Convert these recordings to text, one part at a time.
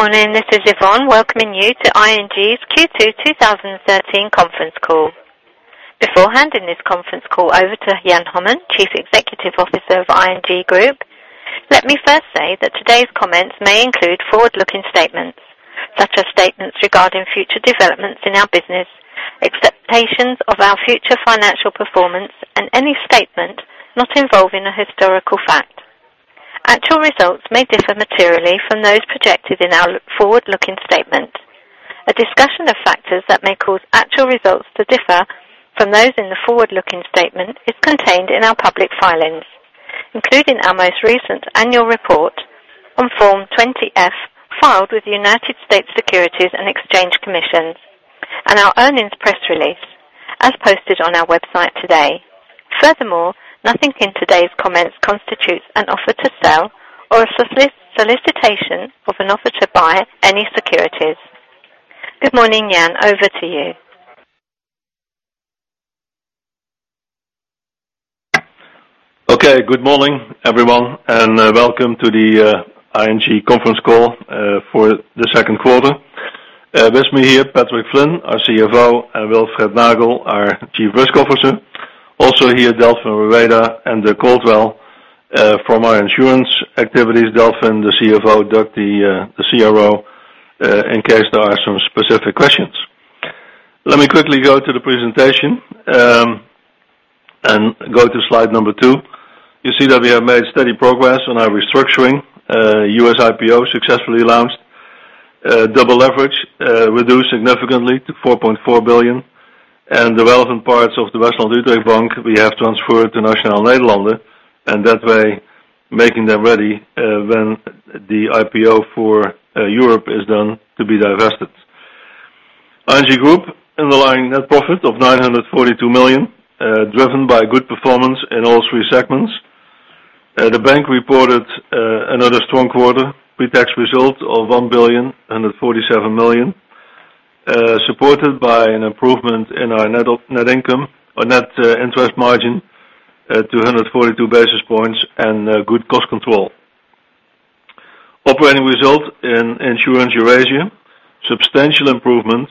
Good morning. This is Yvonne welcoming you to ING's Q2 2013 conference call. Beforehand in this conference call over to Jan Hommen, Chief Executive Officer of ING Group. Let me first say that today's comments may include forward-looking statements, such as statements regarding future developments in our business, expectations of our future financial performance, and any statement not involving a historical fact. Actual results may differ materially from those projected in our forward-looking statement. A discussion of factors that may cause actual results to differ from those in the forward-looking statement is contained in our public filings, including our most recent annual report on Form 20-F filed with the United States Securities and Exchange Commission and our earnings press release as posted on our website today. Furthermore, nothing in today's comments constitutes an offer to sell or a solicitation of an offer to buy any securities. Good morning, Jan. Over to you. Good morning, everyone, and welcome to the ING conference call for the second quarter. With me here, Patrick Flynn, our CFO, and Wilfred Nagel, our Chief Risk Officer. Also here, Delfin Rueda and Doug Caldwell from our insurance activities. Delfin, the CFO, Doug the CRO, in case there are some specific questions. Let me quickly go to the presentation, and go to slide number two. You see that we have made steady progress on our restructuring. U.S. IPO successfully launched. Double leverage reduced significantly to 4.4 billion. The relevant parts of the Nationale-Nederlanden Bank, we have transferred to Nationale-Nederlanden, and that way making them ready when the IPO for Europe is done to be divested. ING Group underlying net profit of 942 million, driven by good performance in all three segments. The bank reported another strong quarter, pretax result of 1.147 billion, supported by an improvement in our net income on net interest margin at 142 basis points and good cost control. Operating result in Insurance Eurasia, substantial improvement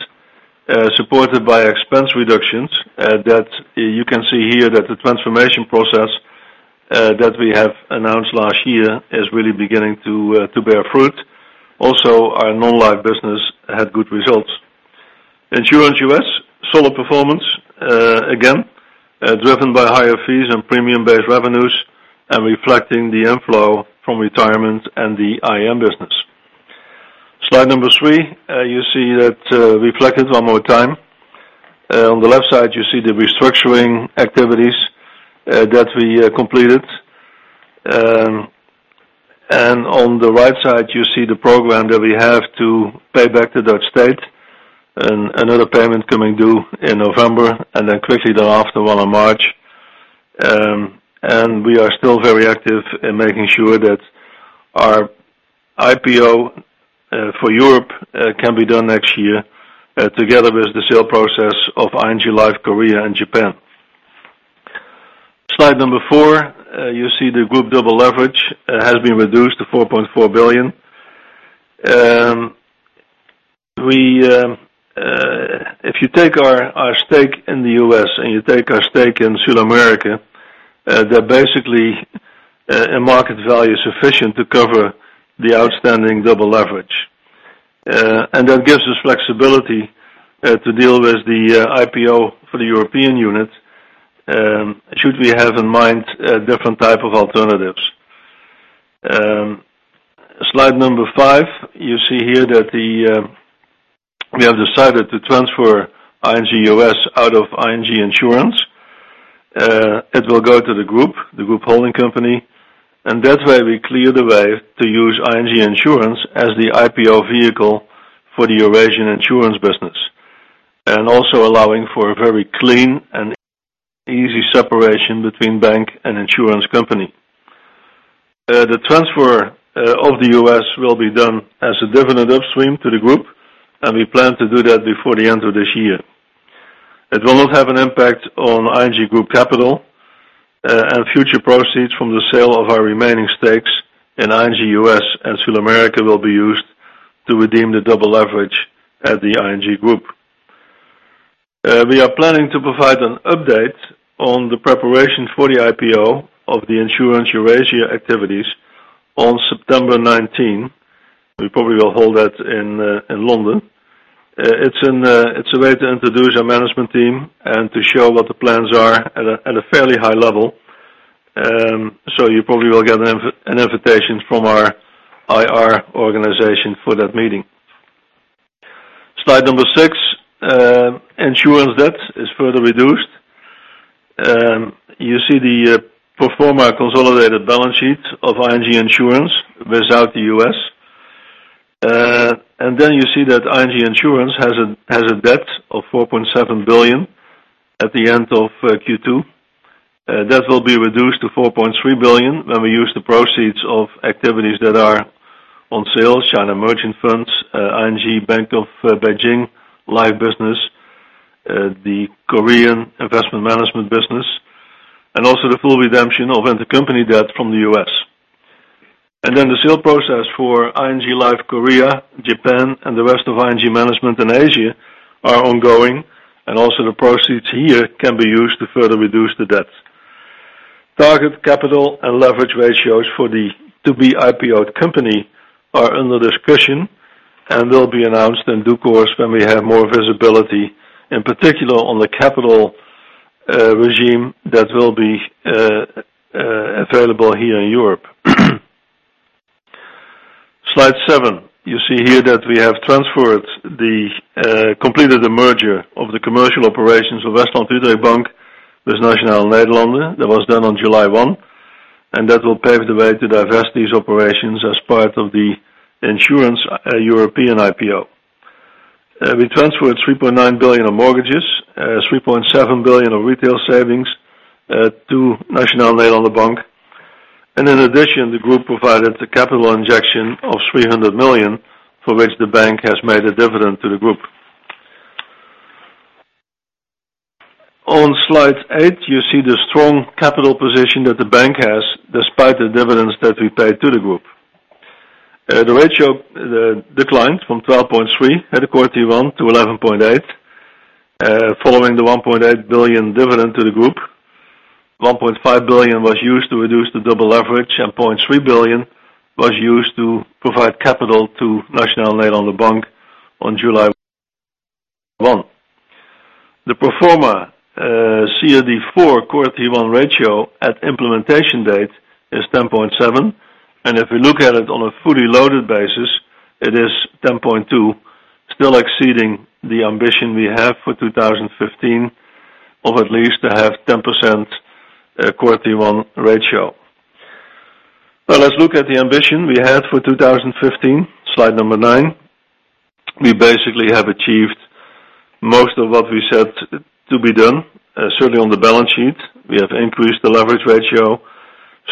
supported by expense reductions that you can see here that the transformation process that we have announced last year is really beginning to bear fruit. Also, our non-life business had good results. Insurance U.S., solid performance again, driven by higher fees and premium-based revenues and reflecting the inflow from retirement and the IM business. Slide number three, you see that reflected one more time. On the left side, you see the restructuring activities that we completed. On the right side, you see the program that we have to pay back to Dutch State and another payment coming due in November, and then quickly thereafter, one in March. We are still very active in making sure that our IPO for Europe can be done next year together with the sale process of ING Life Korea and Japan. Slide number four, you see the group double leverage has been reduced to 4.4 billion. If you take our stake in the U.S. and you take our stake in SulAmérica, they are basically a market value sufficient to cover the outstanding double leverage. That gives us flexibility to deal with the IPO for the European unit, should we have in mind different type of alternatives. Slide number five, you see here that we have decided to transfer ING U.S. out of ING Insurance. It will go to the group, the group holding company, and that way we clear the way to use ING Insurance as the IPO vehicle for the Eurasian insurance business. Also allowing for a very clean and easy separation between bank and insurance company. The transfer of the U.S. will be done as a dividend upstream to the group, and we plan to do that before the end of this year. It will not have an impact on ING Groep capital, and future proceeds from the sale of our remaining stakes in ING U.S. and SulAmérica will be used to redeem the double leverage at the ING Groep. We are planning to provide an update on the preparation for the IPO of the Insurance Eurasia activities on September 19th. We probably will hold that in London. It is a way to introduce our management team and to show what the plans are at a fairly high level. You probably will get an invitation from our IR organization for that meeting. Slide number six, insurance debt is further reduced. You see the pro forma consolidated balance sheet of ING Insurance without the U.S. Then you see that ING Insurance has a debt of 4.7 billion at the end of Q2. Debt will be reduced to 4.3 billion when we use the proceeds of activities that are on sale, China Merchants Fund, ING-BOB Life Insurance business, the Korean investment management business, and also the full redemption of intercompany debt from the U.S. Then the sale process for ING Life Korea, Japan, and the rest of ING Management in Asia are ongoing, and also the proceeds here can be used to further reduce the debt. Target capital and leverage ratios for the to-be IPO company are under discussion and will be announced in due course when we have more visibility, in particular on the capital regime that will be available here in Europe. Slide seven. You see here that we have completed the merger of the commercial operations of WestlandUtrecht Bank with Nationale-Nederlanden. That was done on July 1, and that will pave the way to divest these operations as part of the insurance European IPO. We transferred 3.9 billion of mortgages, 3.7 billion of retail savings to Nationale-Nederlanden Bank. In addition, the group provided the capital injection of 300 million, for which the bank has made a dividend to the group. On Slide eight, you see the strong capital position that the bank has, despite the dividends that we paid to the group. The ratio declined from 12.3% at the Core Tier 1 to 11.8%, following the 1.8 billion dividend to the group. 1.5 billion was used to reduce the double leverage, and 3.1 billion was used to provide capital to Nationale-Nederlanden Bank on July 1. The pro forma CRD IV Core Tier 1 ratio at implementation date is 10.7%, and if we look at it on a fully loaded basis, it is 10.2%, still exceeding the ambition we have for 2015 of at least to have 10% Core Tier 1 ratio. Let's look at the ambition we had for 2015. Slide number nine. We basically have achieved most of what we said to be done. Certainly on the balance sheet, we have increased the leverage ratio,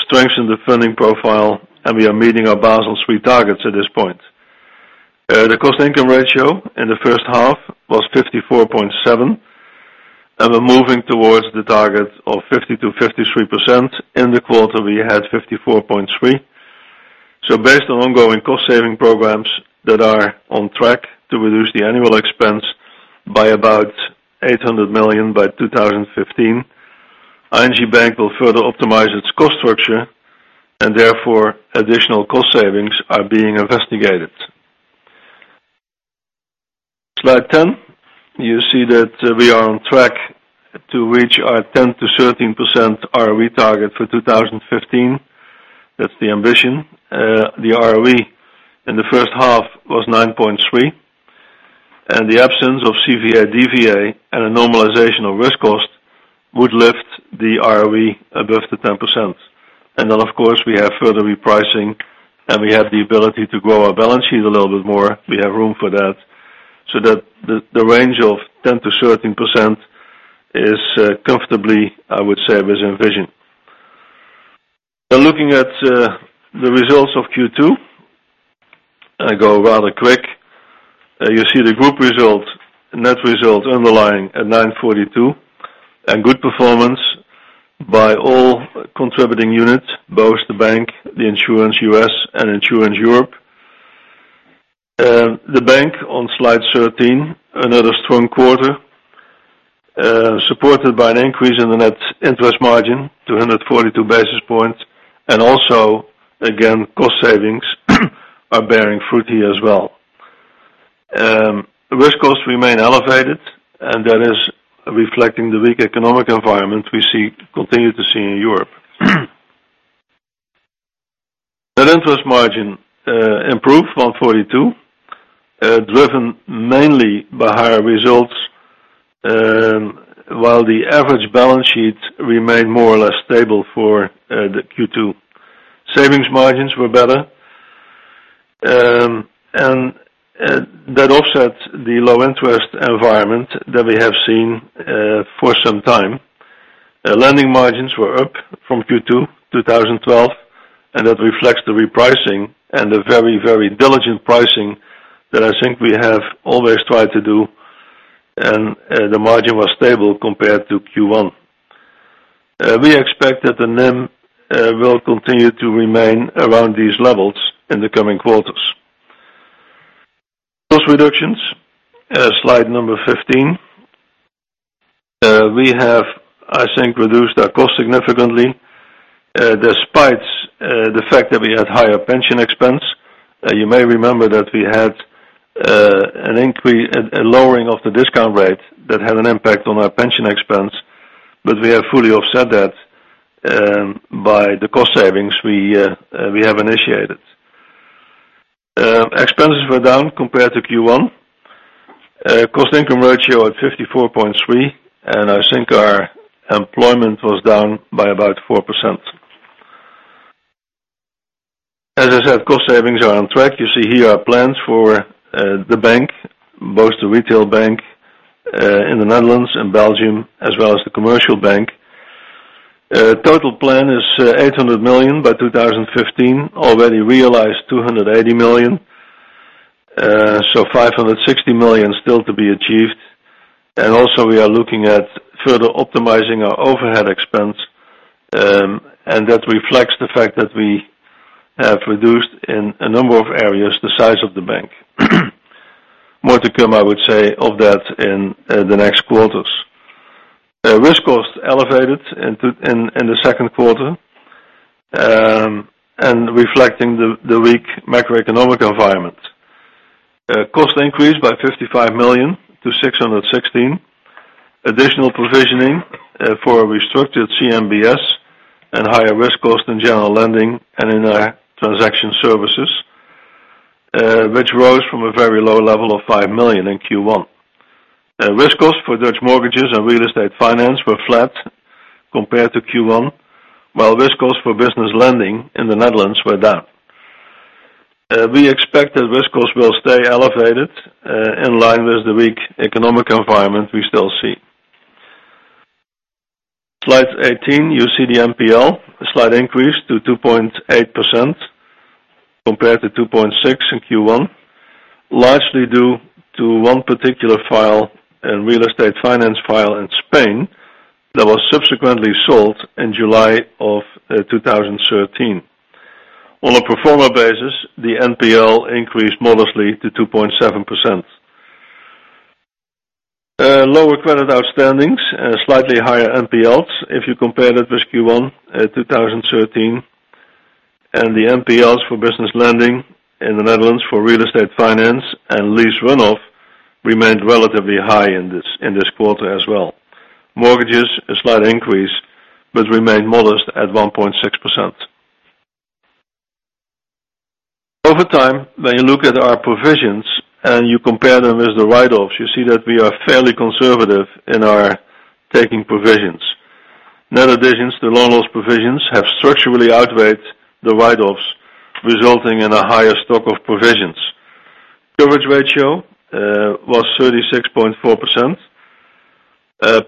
strengthened the funding profile, and we are meeting our Basel III targets at this point. The cost-income ratio in the first half was 54.7%, and we're moving towards the target of 50%-53%. In the quarter, we had 54.3%. Based on ongoing cost-saving programs that are on track to reduce the annual expense by about 800 million by 2015, ING Bank will further optimize its cost structure. Therefore, additional cost savings are being investigated. Slide 10. You see that we are on track to reach our 10%-13% ROE target for 2015. That's the ambition. The ROE in the first half was 9.3%, and the absence of CVA/DVA and a normalization of risk cost would lift the ROE above the 10%. Of course, we have further repricing, and we have the ability to grow our balance sheet a little bit more. We have room for that, so that the range of 10%-13% is comfortably, I would say, within vision. Looking at the results of Q2. I'll go rather quick. You see the group result, net result underlying at 942 million, and good performance by all contributing units, both the bank, ING U.S., and ING Insurance. The bank on Slide 13, another strong quarter, supported by an increase in the net interest margin, 242 basis points. Also, again, cost savings are bearing fruit here as well. Risk costs remain elevated, and that is reflecting the weak economic environment we continue to see in Europe. Net interest margin improved, 142 basis points, driven mainly by higher results, while the average balance sheet remained more or less stable for the Q2. Savings margins were better. That offset the low interest environment that we have seen for some time. Lending margins were up from Q2 2012, and that reflects the repricing and the very diligent pricing that I think we have always tried to do. The margin was stable compared to Q1. We expect that the NIM will continue to remain around these levels in the coming quarters. Cost reductions, Slide number 15. We have, I think, reduced our cost significantly, despite the fact that we had higher pension expense. You may remember that we had a lowering of the discount rate that had an impact on our pension expense, but we have fully offset that by the cost savings we have initiated. Expenses were down compared to Q1. cost-income ratio at 54.3%, and I think our employment was down by about 4%. As I said, cost savings are on track. You see here our plans for the bank, both the retail bank in the Netherlands and Belgium, as well as the commercial bank. Total plan is 800 million by 2015. Already realized 280 million, so 560 million still to be achieved. Also we are looking at further optimizing our overhead expense, that reflects the fact that we have reduced, in a number of areas, the size of the bank. More to come, I would say, of that in the next quarters. Risk cost elevated in the second quarter, reflecting the weak macroeconomic environment. Cost increased by 55 million to 616 million. Additional provisioning for a restructured CMBS and higher risk cost in general lending and in our transaction services, which rose from a very low level of 5 million in Q1. Risk cost for Dutch mortgages and real estate finance were flat compared to Q1, while risk cost for business lending in the Netherlands were down. We expect that risk cost will stay elevated, in line with the weak economic environment we still see. Slide 18, you see the NPL. A slight increase to 2.8% compared to 2.6% in Q1, largely due to one particular file, a real estate finance file in Spain, that was subsequently sold in July of 2013. On a pro forma basis, the NPL increased modestly to 2.7%. Lower credit outstandings, slightly higher NPLs if you compare that with Q1 2013. The NPLs for business lending in the Netherlands for real estate finance and lease runoff remained relatively high in this quarter as well. Mortgages, a slight increase, but remained modest at 1.6%. Over time, when you look at our provisions and you compare them with the write-offs, you see that we are fairly conservative in our taking provisions. In other additions, the loan loss provisions have structurally outweighed the write-offs, resulting in a higher stock of provisions. Coverage ratio was 36.4%.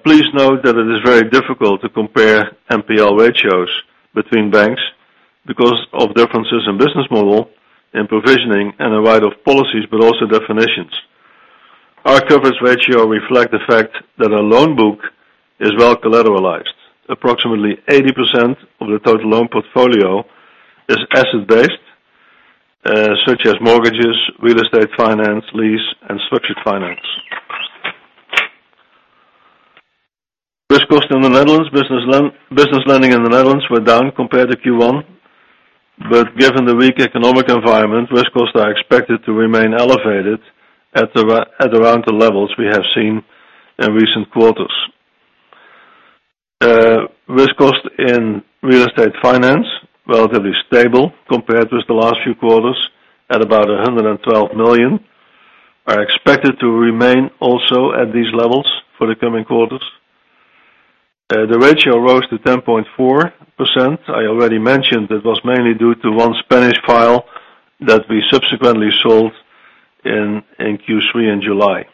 Please note that it is very difficult to compare NPL ratios between banks because of differences in business model, in provisioning, and a wide of policies, but also definitions. Our coverage ratio reflect the fact that our loan book is well collateralized. Approximately 80% of the total loan portfolio is asset-based, such as mortgages, real estate finance, lease, and structured finance. Risk cost in the Netherlands, business lending in the Netherlands were down compared to Q1. Given the weak economic environment, risk costs are expected to remain elevated at around the levels we have seen in recent quarters. Risk cost in real estate finance, relatively stable compared with the last few quarters at about 112 million. Are expected to remain also at these levels for the coming quarters. The ratio rose to 10.4%. I already mentioned it was mainly due to one Spanish file that we subsequently sold in Q3 in July.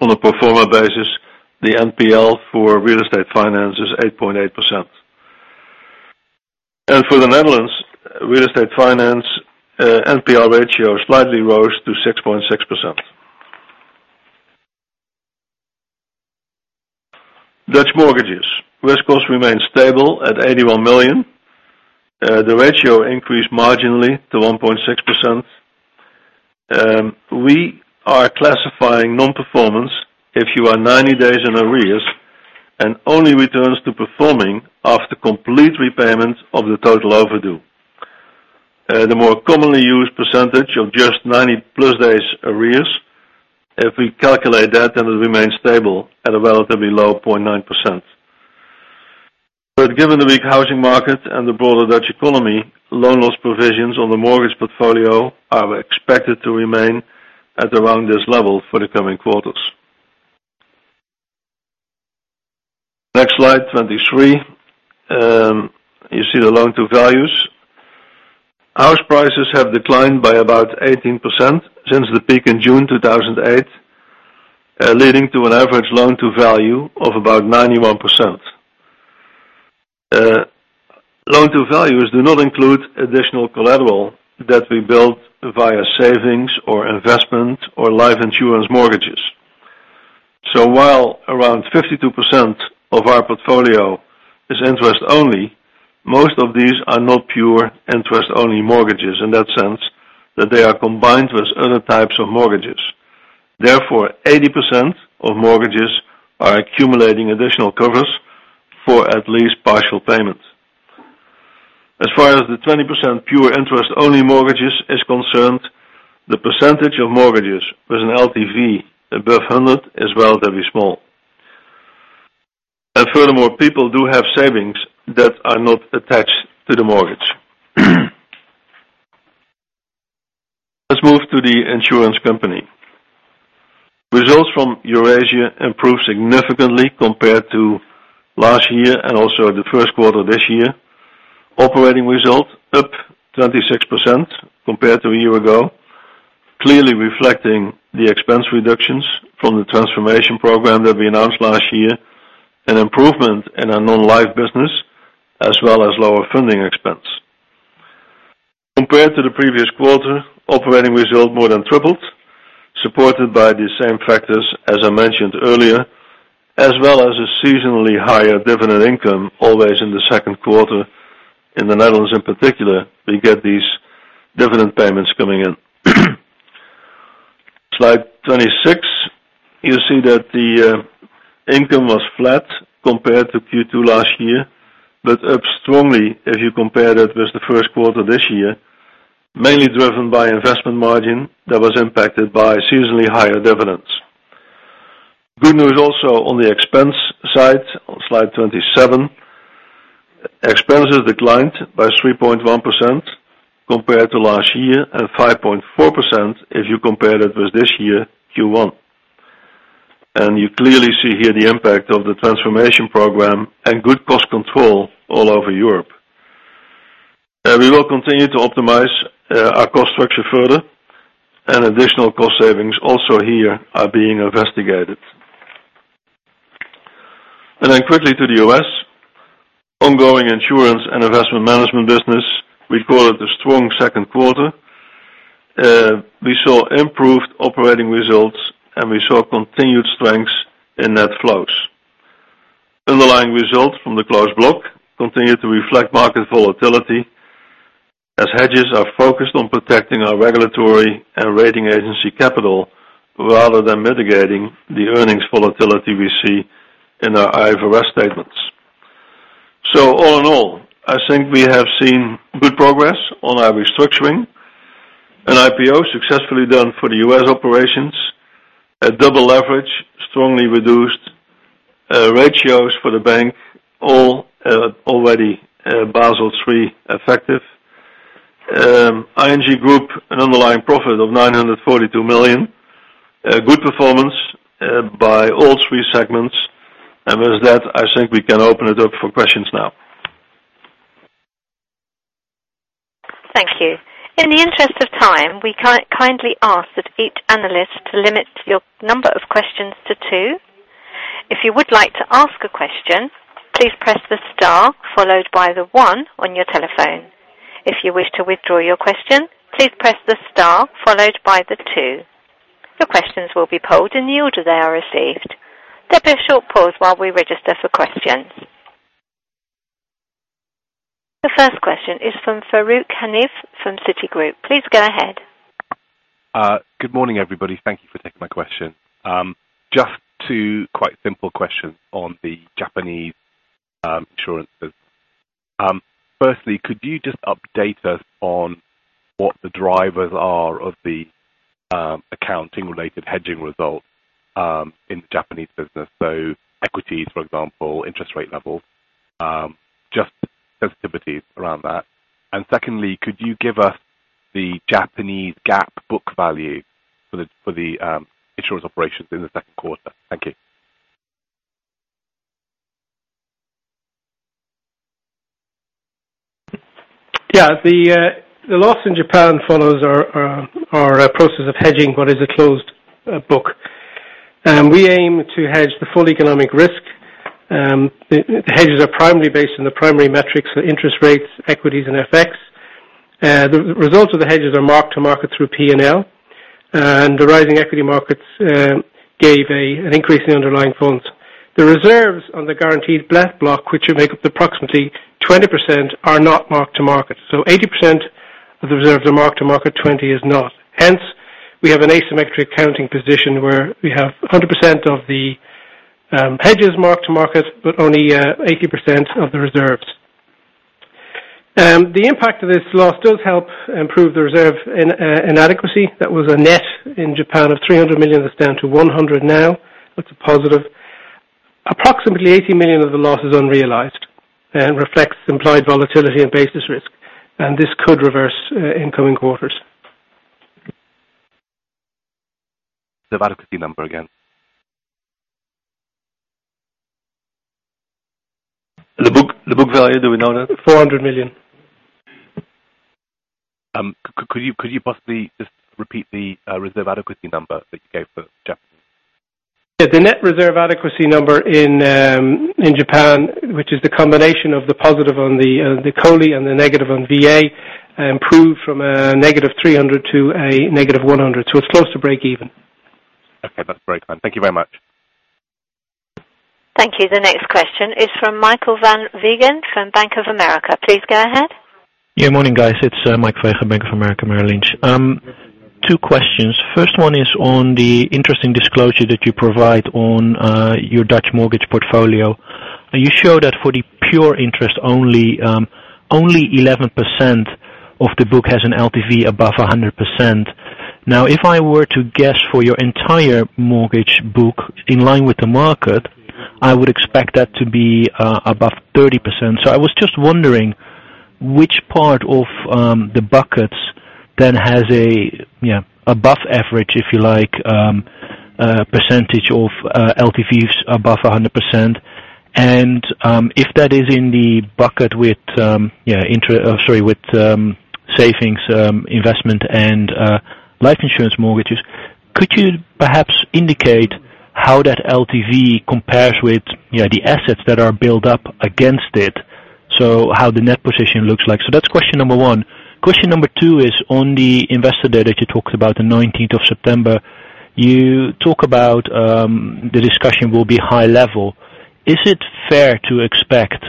On a pro forma basis, the NPL for real estate finance is 8.8%. For the Netherlands real estate finance, NPL ratio slightly rose to 6.6%. Dutch mortgages. Risk cost remained stable at 81 million. The ratio increased marginally to 1.6%. We are classifying non-performance if you are 90 days in arrears and only returns to performing after complete repayment of the total overdue. The more commonly used percentage of just 90 plus days arrears, if we calculate that, then it remains stable at a relatively low 0.9%. Given the weak housing market and the broader Dutch economy, loan loss provisions on the mortgage portfolio are expected to remain at around this level for the coming quarters. Next slide, 23. You see the loan-to-values. House prices have declined by about 18% since the peak in June 2008, leading to an average loan-to-value of about 91%. Loan-to-values do not include additional collateral that we build via savings or investment or life insurance mortgages. While around 52% of our portfolio is interest only, most of these are not pure interest-only mortgages in that sense that they are combined with other types of mortgages. Therefore, 80% of mortgages are accumulating additional covers for at least partial payment. As far as the 20% pure interest-only mortgages is concerned, the percentage of mortgages with an LTV above 100% is relatively small. Furthermore, people do have savings that are not attached to the mortgage. Let's move to the insurance company. Results from Eurasia improved significantly compared to last year and also the first quarter this year. Operating result up 26% compared to a year ago. Clearly reflecting the expense reductions from the transformation program that we announced last year, an improvement in our non-life business, as well as lower funding expense. Compared to the previous quarter, operating result more than tripled, supported by the same factors as I mentioned earlier, as well as a seasonally higher dividend income, always in the second quarter. In the Netherlands, in particular, we get these dividend payments coming in. Slide 26. You see that the income was flat compared to Q2 last year. Up strongly if you compare it with the first quarter this year, mainly driven by investment margin that was impacted by seasonally higher dividends. Good news also on the expense side. On slide 27, expenses declined by 3.1% compared to last year, and 5.4% if you compared it with this year, Q1. You clearly see here the impact of the transformation program and good cost control all over Europe. We will continue to optimize our cost structure further. Additional cost savings also here are being investigated. Quickly to the U.S. Ongoing insurance and Investment Management business. We call it the strong second quarter. We saw improved operating results, and we saw continued strengths in net flows. Underlying results from the closed block continue to reflect market volatility as hedges are focused on protecting our regulatory and rating agency capital rather than mitigating the earnings volatility we see in our IFRS statements. All in all, I think we have seen good progress on our restructuring. An IPO successfully done for the U.S. operations. A double leverage, strongly reduced ratios for the bank, all already Basel III effective. ING Groep, an underlying profit of 942 million. Good performance by all three segments. With that, I think we can open it up for questions now. Thank you. In the interest of time, we kindly ask that each analyst to limit your number of questions to 2. If you would like to ask a question, please press the star followed by the 1 on your telephone. If you wish to withdraw your question, please press the star followed by the 2. Your questions will be polled in the order they are received. There'll be a short pause while we register for questions. The first question is from Farooq Hanif from Citigroup. Please go ahead. Good morning, everybody. Thank you for taking my question. Just 2 quite simple questions on the Japanese insurances. Firstly, could you just update us on what the drivers are of the accounting-related hedging results in the Japanese business? So equities, for example, interest rate level, just sensitivities around that. Secondly, could you give us the Japanese GAAP book value for the insurance operations in the second quarter? Thank you. Yeah. The loss in Japan follows our process of hedging what is a closed book. We aim to hedge the full economic risk. The hedges are primarily based on the primary metrics, the interest rates, equities, and FX. The results of the hedges are mark to market through P&L, and the rising equity markets gave an increase in underlying funds. The reserves on the guaranteed block, which would make up approximately 20%, are not mark to market. So 80% of the reserves are mark to market, 20 is not. Hence, we have an asymmetric accounting position where we have 100% of the hedges mark to market, but only 80% of the reserves. The impact of this loss does help improve the reserve inadequacy. That was a net in Japan of 300 million. That's down to 100 million now. That's a positive. Approximately 80 million of the loss is unrealized and reflects implied volatility and basis risk, this could reverse in coming quarters. The adequacy number again. The book value, do we know that? 400 million. Could you possibly just repeat the reserve adequacy number that you gave for Japan? The net reserve adequacy number in Japan, which is the combination of the positive on the COLI and the negative on VA, improved from a negative 300 to a negative 100. It's close to break even. Okay. That's very kind. Thank you very much. Thank you. The next question is from Michael Van Veen from Bank of America. Please go ahead. Yeah, morning, guys. It's Mike Van Veen, Bank of America, Merrill Lynch. Two questions. First one is on the interesting disclosure that you provide on your Dutch mortgage portfolio. You show that for the pure interest only 11% of the book has an LTV above 100%. If I were to guess for your entire mortgage book in line with the market, I would expect that to be above 30%. I was just wondering which part of the buckets then has above average, if you like, percentage of LTVs above 100% If that is in the bucket with savings investment and life insurance mortgages, could you perhaps indicate how that LTV compares with the assets that are built up against it? How the net position looks like. That's question number one. Question number 2 is on the investor day that you talked about, the 19th of September. You talk about the discussion will be high level. Is it fair to expect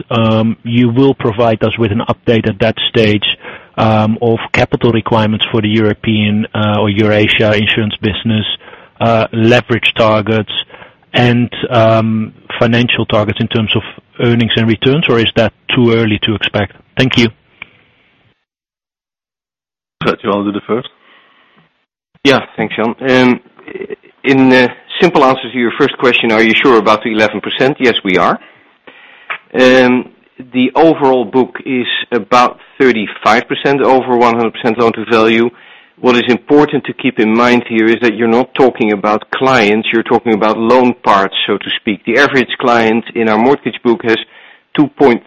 you will provide us with an update at that stage, of capital requirements for the European or ING Insurance Eurasia business, leverage targets and financial targets in terms of earnings and returns, or is that too early to expect? Thank you. I'll do the first. Thanks, Jan. In simple answer to your first question, are you sure about the 11%? Yes, we are. The overall book is about 35% over 100% loan to value. What is important to keep in mind here is that you're not talking about clients, you're talking about loan parts, so to speak. The average client in our mortgage book has 2.34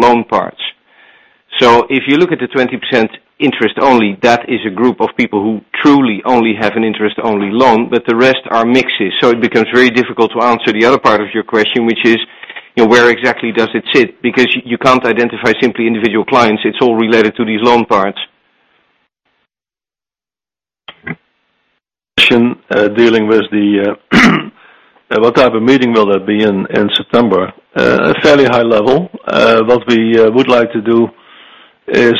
loan parts. If you look at the 20% interest only, that is a group of people who truly only have an interest only loan, but the rest are mixes. It becomes very difficult to answer the other part of your question, which is, where exactly does it sit? Because you can't identify simply individual clients. It's all related to these loan parts. Dealing with the what type of meeting will that be in September? A fairly high level. What we would like to do is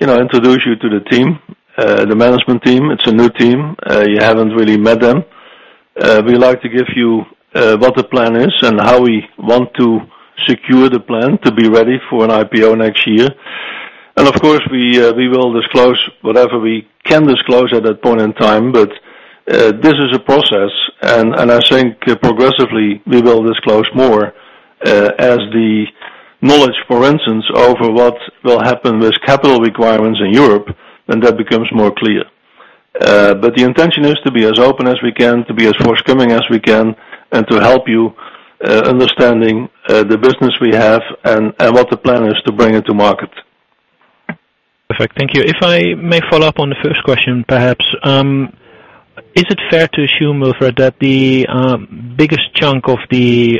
introduce you to the team, the management team. It's a new team. You haven't really met them. We like to give you what the plan is and how we want to secure the plan to be ready for an IPO next year. Of course, we will disclose whatever we can disclose at that point in time. This is a process, I think progressively we will disclose more, as the knowledge, for instance, over what will happen with capital requirements in Europe, then that becomes more clear. The intention is to be as open as we can, to be as forthcoming as we can, and to help you understanding the business we have and what the plan is to bring it to market. Perfect. Thank you. If I may follow up on the first question, perhaps. Is it fair to assume, Wilfred, that the biggest chunk of the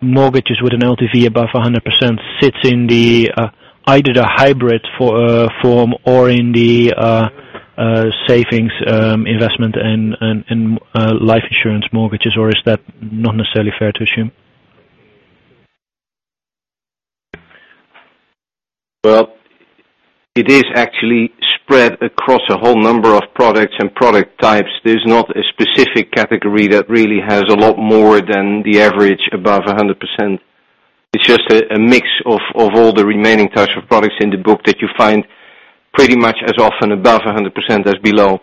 mortgages with an LTV above 100% sits in the, either the hybrid form or in the savings investment and life insurance mortgages or is that not necessarily fair to assume? It is actually spread across a whole number of products and product types. There is not a specific category that really has a lot more than the average above 100%. It is just a mix of all the remaining types of products in the book that you find pretty much as often above 100% as below.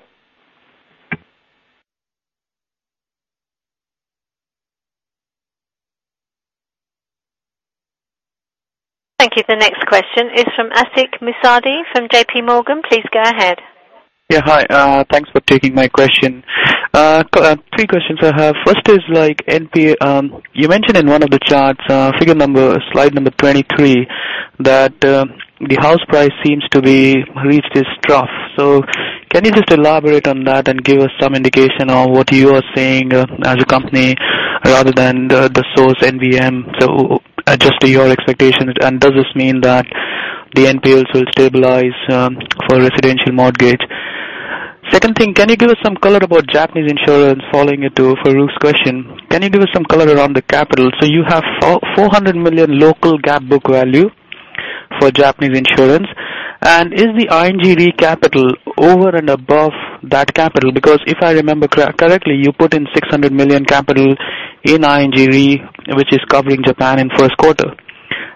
Thank you. The next question is from Ashik Musaddi from JPMorgan. Please go ahead. Hi. Thanks for taking my question. Three questions I have. First is, you mentioned in one of the charts, slide number 23, that the house price seems to be reached its trough. Can you just elaborate on that and give us some indication of what you are seeing as a company rather than the source NVM. Just your expectations and does this mean that the NPLs will stabilize for residential mortgage? Second thing, can you give us some color about Japanese insurance following it to Farooq's question. Can you give us some color around the capital? You have 400 million local GAAP book value for Japanese insurance, and is the ING Re capital over and above that capital? If I remember correctly, you put in 600 million capital in ING Re, which is covering Japan in first quarter,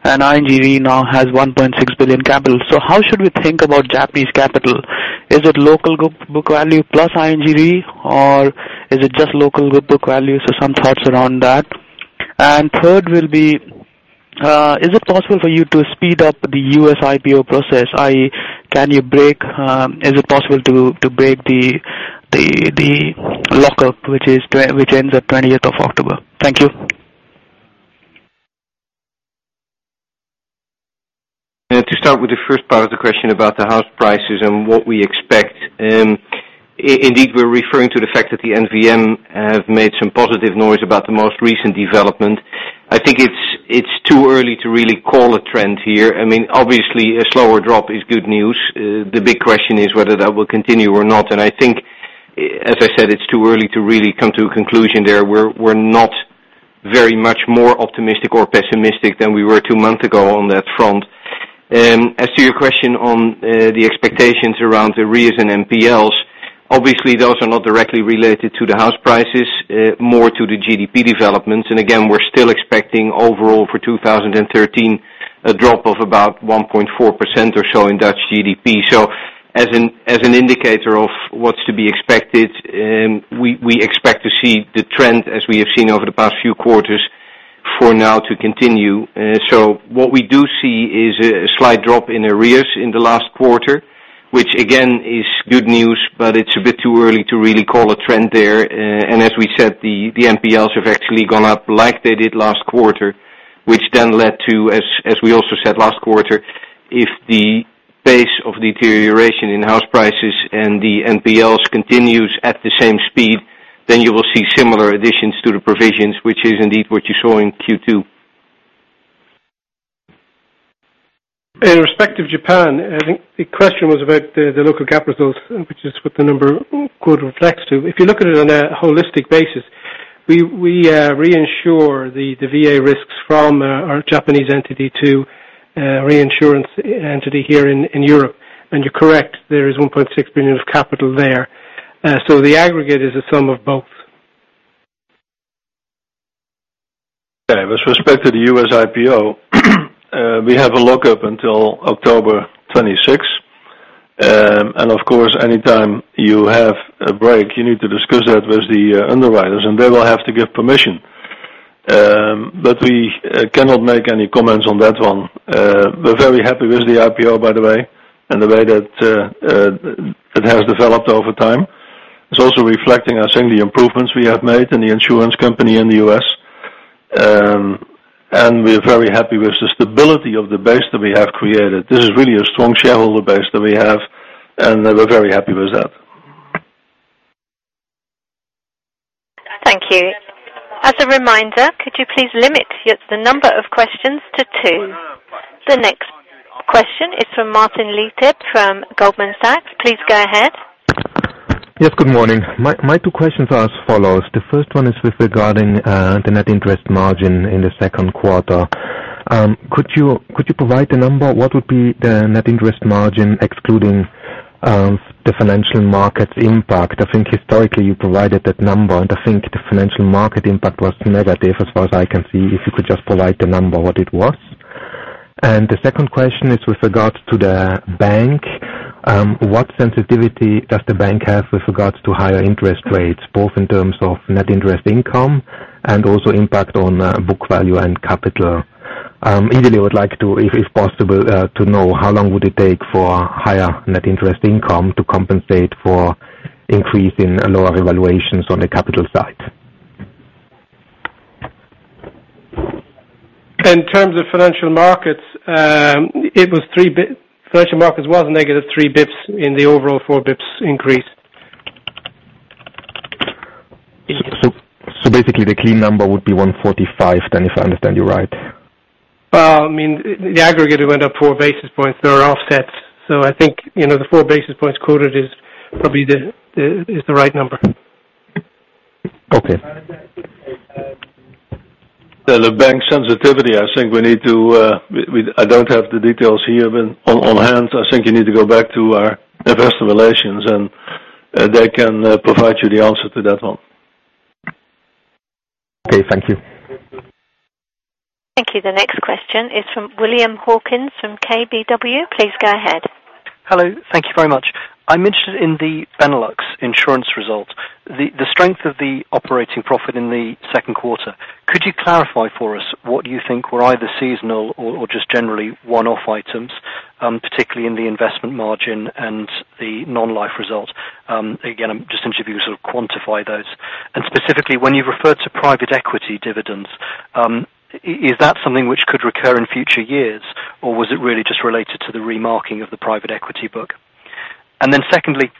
and ING Re now has 1.6 billion capital. How should we think about Japanese capital? Is it local book value plus ING Re, or is it just local book value? Some thoughts around that. Third will be, is it possible for you to speed up the U.S. IPO process, i.e., is it possible to break the lockup which ends at 20th of October? Thank you. To start with the first part of the question about the house prices and what we expect. Indeed, we're referring to the fact that the NVM have made some positive noise about the most recent development. I think it's too early to really call a trend here. Obviously, a slower drop is good news. The big question is whether that will continue or not, and I think, as I said, it's too early to really come to a conclusion there. We're not very much more optimistic or pessimistic than we were two months ago on that front. As to your question on the expectations around the arrears and NPLs, obviously those are not directly related to the house prices, more to the GDP developments. Again, we're still expecting overall for 2013, a drop of about 1.4% or so in Dutch GDP. As an indicator of what's to be expected, we expect to see the trend as we have seen over the past few quarters for now to continue. What we do see is a slight drop in arrears in the last quarter. Which again, is good news, it's a bit too early to really call a trend there. As we said, the NPLs have actually gone up like they did last quarter, which then led to, as we also said last quarter, if the pace of deterioration in house prices and the NPLs continues at the same speed, then you will see similar additions to the provisions, which is indeed what you saw in Q2. In respect of Japan, I think the question was about the local GAAP results, which is what the number quote reflects to. If you look at it on a holistic basis, we reinsure the VA risks from our Japanese entity to reinsurance entity here in Europe. You're correct, there is 1.6 billion of capital there. The aggregate is a sum of both. Okay. With respect to the U.S. IPO, we have a lock-up until October 26th. Of course, anytime you have a break, you need to discuss that with the underwriters, and they will have to give permission. We cannot make any comments on that one. We're very happy with the IPO, by the way, and the way that it has developed over time. It's also reflecting, I think, the improvements we have made in the insurance company in the U.S. We're very happy with the stability of the base that we have created. This is really a strong shareholder base that we have, and we're very happy with that. Thank you. As a reminder, could you please limit the number of questions to two? The next question is from Martin Leitgeb from Goldman Sachs. Please go ahead. Yes, good morning. My two questions are as follows. The first one is with regarding the net interest margin in the second quarter. Could you provide the number? What would be the net interest margin excluding the financial markets impact? I think historically you provided that number, and I think the financial market impact was negative as far as I can see, if you could just provide the number, what it was. The second question is with regards to the bank. What sensitivity does the bank have with regards to higher interest rates, both in terms of net interest income and also impact on book value and capital? Ideally, I would like to, if possible, to know how long would it take for higher net interest income to compensate for increase in lower evaluations on the capital side. In terms of financial markets, it was negative 3 basis points in the overall 4 basis points increase. Basically the clean number would be 145 then, if I understand you right. The aggregate, it went up 4 basis points. There were offsets. I think, the 4 basis points quoted is the right number. Okay. The bank sensitivity, I don't have the details here on hand. I think you need to go back to our Investor Relations, and they can provide you the answer to that one. Okay. Thank you. Thank you. The next question is from William Hawkins from KBW. Please go ahead. Hello. Thank you very much. I'm interested in the Benelux Insurance results. The strength of the operating profit in the second quarter. Could you clarify for us what you think were either seasonal or just generally one-off items, particularly in the Investment Management margin and the non-life result? I'm just interested if you could sort of quantify those. Specifically, when you refer to private equity dividends, is that something which could recur in future years, or was it really just related to the remarketing of the private equity book? Then secondly,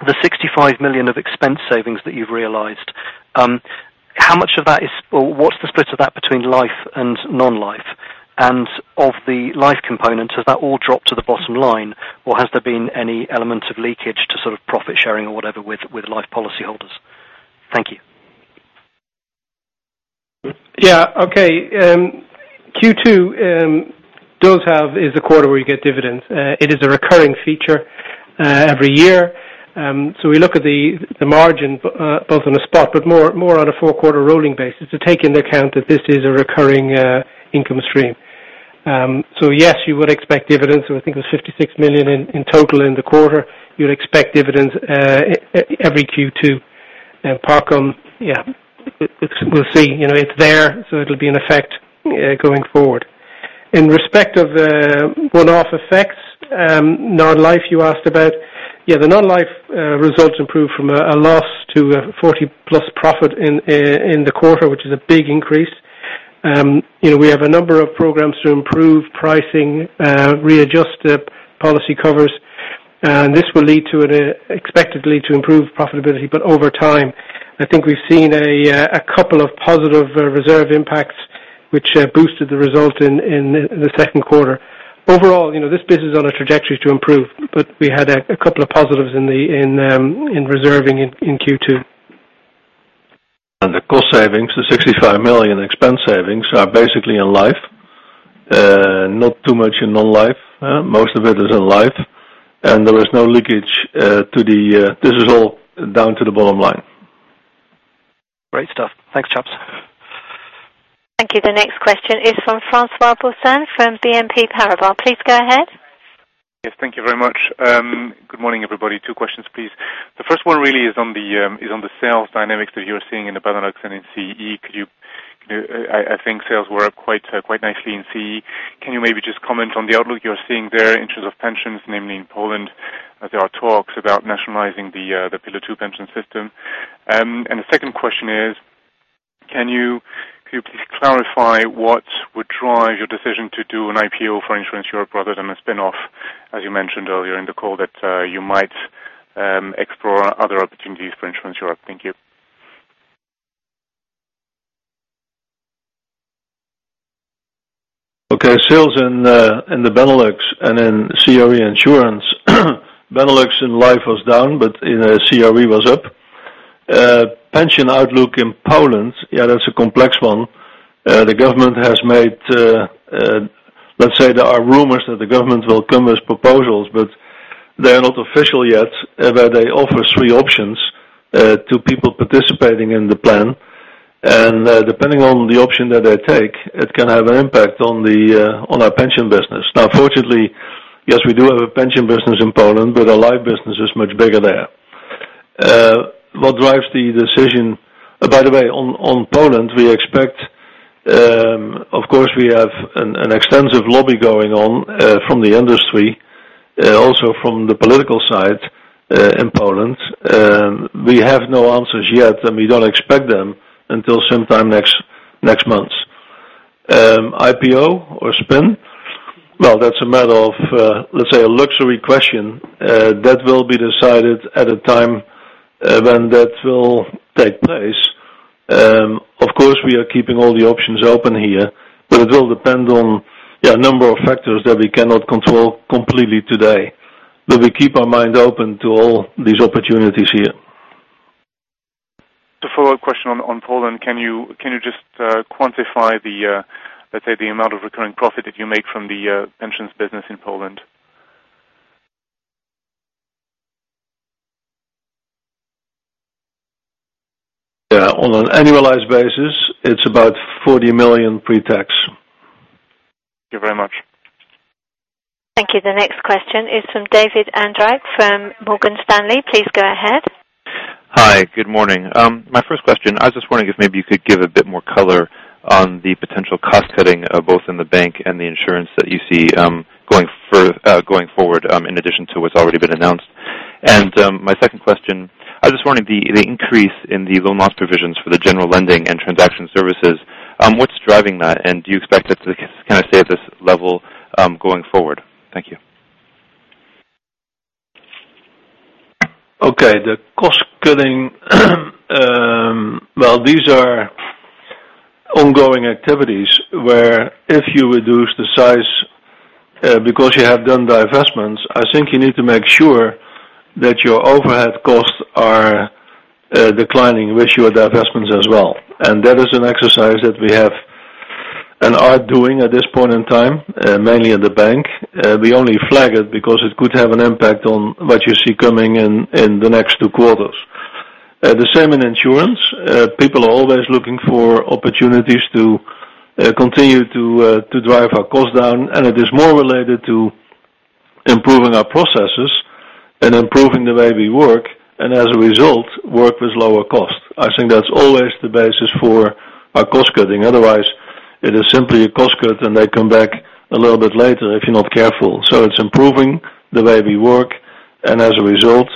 the 65 million of expense savings that you've realized, what's the split of that between life and non-life? Of the life component, has that all dropped to the bottom line, or has there been any element of leakage to profit sharing or whatever with life policyholders? Thank you. Okay. Q2 is the quarter where you get dividends. It is a recurring feature every year. We look at the margin both on a spot but more on a four-quarter rolling basis to take into account that this is a recurring income stream. Yes, you would expect dividends. I think it was 56 million in total in the quarter. You'd expect dividends every Q2. Parcom, yeah. We'll see. It's there, so it'll be in effect going forward. In respect of the one-off effects, non-life you asked about. The non-life results improved from a loss to a 40-plus profit in the quarter, which is a big increase. We have a number of programs to improve pricing, readjust policy covers. This will expectedly to improve profitability, but over time. I think we've seen a couple of positive reserve impacts which boosted the result in the second quarter. Overall, this business is on a trajectory to improve. We had a couple of positives in reserving in Q2. The cost savings, the 65 million expense savings, are basically in life. Not too much in non-life. Most of it is in life. There is no leakage. This is all down to the bottom line. Great stuff. Thanks, chaps. Thank you. The next question is from François Boissin from BNP Paribas. Please go ahead. Yes, thank you very much. Good morning, everybody. Two questions, please. First one really is on the sales dynamics that you're seeing in the Benelux and in CEE. I think sales were up quite nicely in CEE. Can you maybe just comment on the outlook you're seeing there in terms of pensions, namely in Poland, there are talks about nationalizing the Pillar 2 pension system. The second question is, can you please clarify what would drive your decision to do an IPO for Insurance Europe rather than a spin-off, as you mentioned earlier in the call that you might explore other opportunities for Insurance Europe? Thank you. Okay. Sales in the Benelux and in CEE Insurance. Benelux in Life was down. CEE was up. Pension outlook in Poland, that's a complex one. Let's say there are rumors that the government will come with proposals, but they are not official yet, where they offer three options to people participating in the plan. Depending on the option that they take, it can have an impact on our pension business. Fortunately, we do have a pension business in Poland, but our Life business is much bigger there. What drives the decision By the way, on Poland, of course, we have an extensive lobby going on from the industry, also from the political side in Poland. We have no answers yet. We don't expect them until sometime next month. IPO or spin? That's a matter of a luxury question that will be decided at a time when that will take place. We are keeping all the options open here, but it will depend on a number of factors that we cannot control completely today. We keep our minds open to all these opportunities here. The follow-up question on Poland, can you just quantify the amount of recurring profit that you make from the pensions business in Poland? Yeah. On an annualized basis, it's about 40 million pre-tax. Thank you very much. Thank you. The next question is from David Eacott from Morgan Stanley. Please go ahead. Hi. Good morning. My first question, I was just wondering if maybe you could give a bit more color on the potential cost-cutting, both in the bank and the insurance that you see going forward, in addition to what's already been announced. My second question, I was wondering the increase in the loan loss provisions for the general lending and transaction services. What's driving that, and do you expect it to kind of stay at this level going forward? Thank you. Okay. The cost-cutting. Well, these are ongoing activities where if you reduce the size because you have done divestments, I think you need to make sure that your overhead costs are declining with your divestments as well. That is an exercise that we have and are doing at this point in time, mainly in the bank. We only flag it because it could have an impact on what you see coming in the next two quarters. The same in insurance. People are always looking for opportunities to continue to drive our costs down, and it is more related to improving our processes and improving the way we work, and as a result, work with lower costs. I think that's always the basis for our cost-cutting. Otherwise, it is simply a cost cut, and they come back a little bit later if you're not careful. It's improving the way we work, and as a result,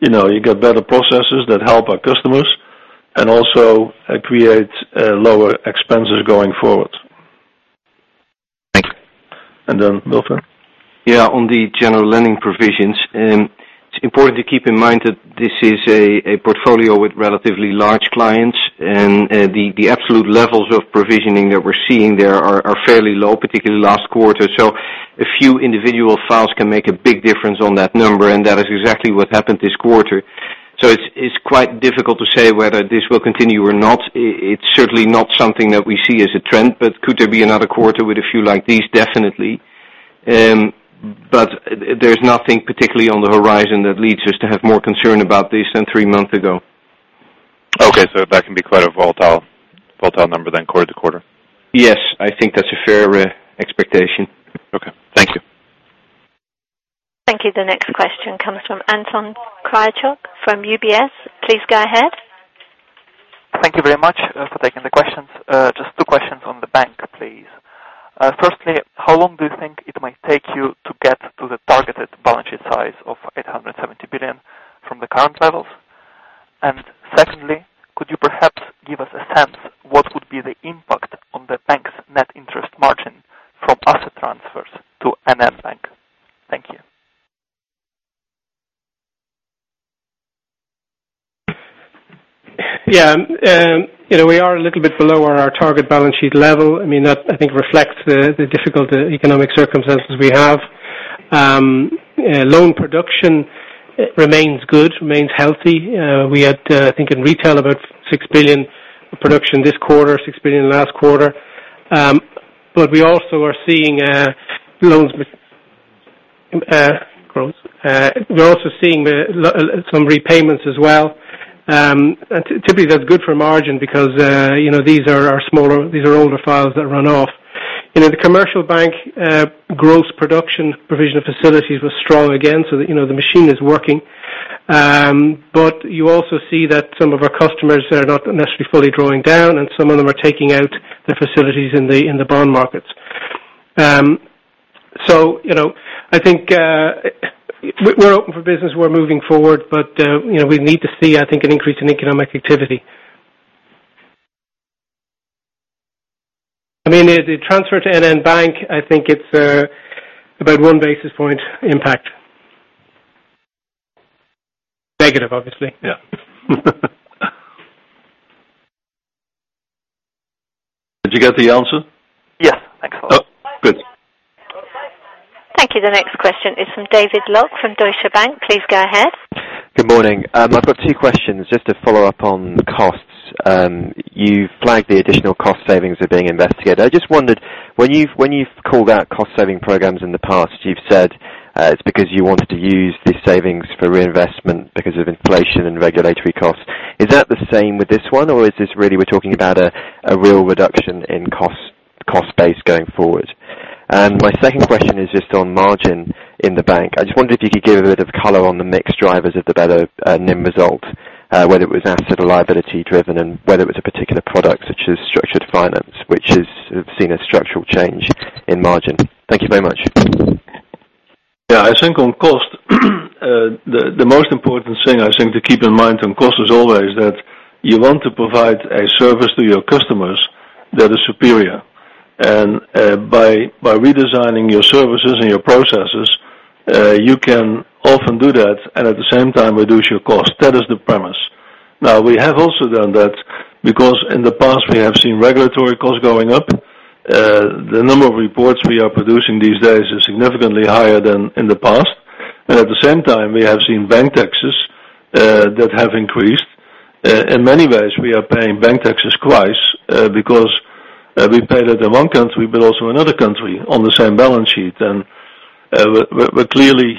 you got better processes that help our customers and also create lower expenses going forward. Thank you. Wilfred. Yeah, on the general lending provisions, it's important to keep in mind that this is a portfolio with relatively large clients, and the absolute levels of provisioning that we're seeing there are fairly low, particularly last quarter. A few individual files can make a big difference on that number, and that is exactly what happened this quarter. It's quite difficult to say whether this will continue or not. It's certainly not something that we see as a trend, but could there be another quarter with a few like these? Definitely. There's nothing particularly on the horizon that leads us to have more concern about this than three months ago. Okay. That can be quite a volatile number then quarter-to-quarter. Yes, I think that's a fair expectation. Okay. Thank you. Thank you. The next question comes from Anton Kryachok from UBS. Please go ahead. Thank you very much for taking the questions. Just two questions on the bank, please. Firstly, how long do you think it might take you to get to the targeted balance sheet size of 870 billion from the current levels? Secondly, could you perhaps give us a sense what would be the impact on the bank's net interest margin from asset transfers to NN Bank? Thank you. We are a little bit below our target balance sheet level. I think reflects the difficult economic circumstances we have. Loan production remains good, remains healthy. We had, I think, in retail, about 6 billion of production this quarter, 6 billion last quarter. We're also seeing some repayments as well. Typically, that's good for margin because these are older files that run off. The commercial bank gross production provision of facilities was strong again, the machine is working. You also see that some of our customers are not necessarily fully drawing down, and some of them are taking out the facilities in the bond markets. I think we're open for business, we're moving forward, but we need to see, I think, an increase in economic activity. The transfer to NN Bank, I think it's about one basis point impact. Negative, obviously. Yeah. Did you get the answer? Yes. Excellent. Oh, good. Thank you. The next question is from David Locke from Deutsche Bank. Please go ahead. Good morning. I've got two questions. To follow up on costs. You've flagged the additional cost savings are being investigated. When you've called out cost-saving programs in the past, you've said it's because you wanted to use the savings for reinvestment because of inflation and regulatory costs. Is that the same with this one, or is this really we're talking about a real reduction in cost base going forward? My second question is on margin in the bank. If you could give a bit of color on the mix drivers of the better NIM result, whether it was asset or liability driven, and whether it was a particular product such as structured finance, which has seen a structural change in margin. Thank you very much. On cost the most important thing to keep in mind on cost is always that you want to provide a service to your customers that is superior. By redesigning your services and your processes, you can often do that and at the same time reduce your cost. That is the premise. We have also done that because in the past, we have seen regulatory costs going up. The number of reports we are producing these days is significantly higher than in the past. At the same time, we have seen bank taxes that have increased. In many ways, we are paying bank taxes twice because we pay it in one country, but also another country on the same balance sheet. We're clearly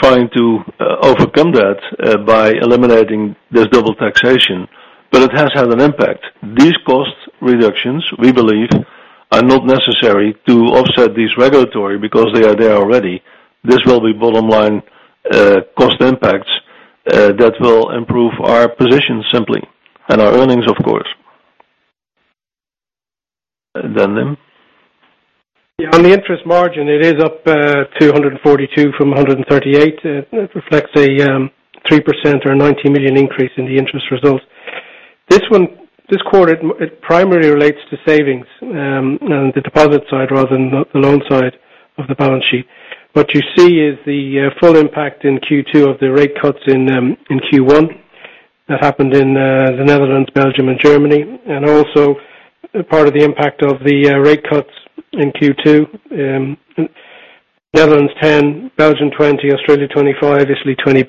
trying to overcome that by eliminating this double taxation, but it has had an impact. These cost reductions, we believe, are not necessary to offset these regulatory because they are there already. This will be bottom line cost impacts that will improve our position simply, and our earnings, of course. (Inaudilble). On the interest margin, it is up to 142 from 138. It reflects a 3% or 90 million increase in the interest results. This quarter, it primarily relates to savings on the deposit side rather than the loan side of the balance sheet. What you see is the full impact in Q2 of the rate cuts in Q1 that happened in the Netherlands, Belgium, and Germany, also part of the impact of the rate cuts in Q2. Netherlands 10 basis points, Belgium 20 basis points, Australia 25 basis points, Italy 20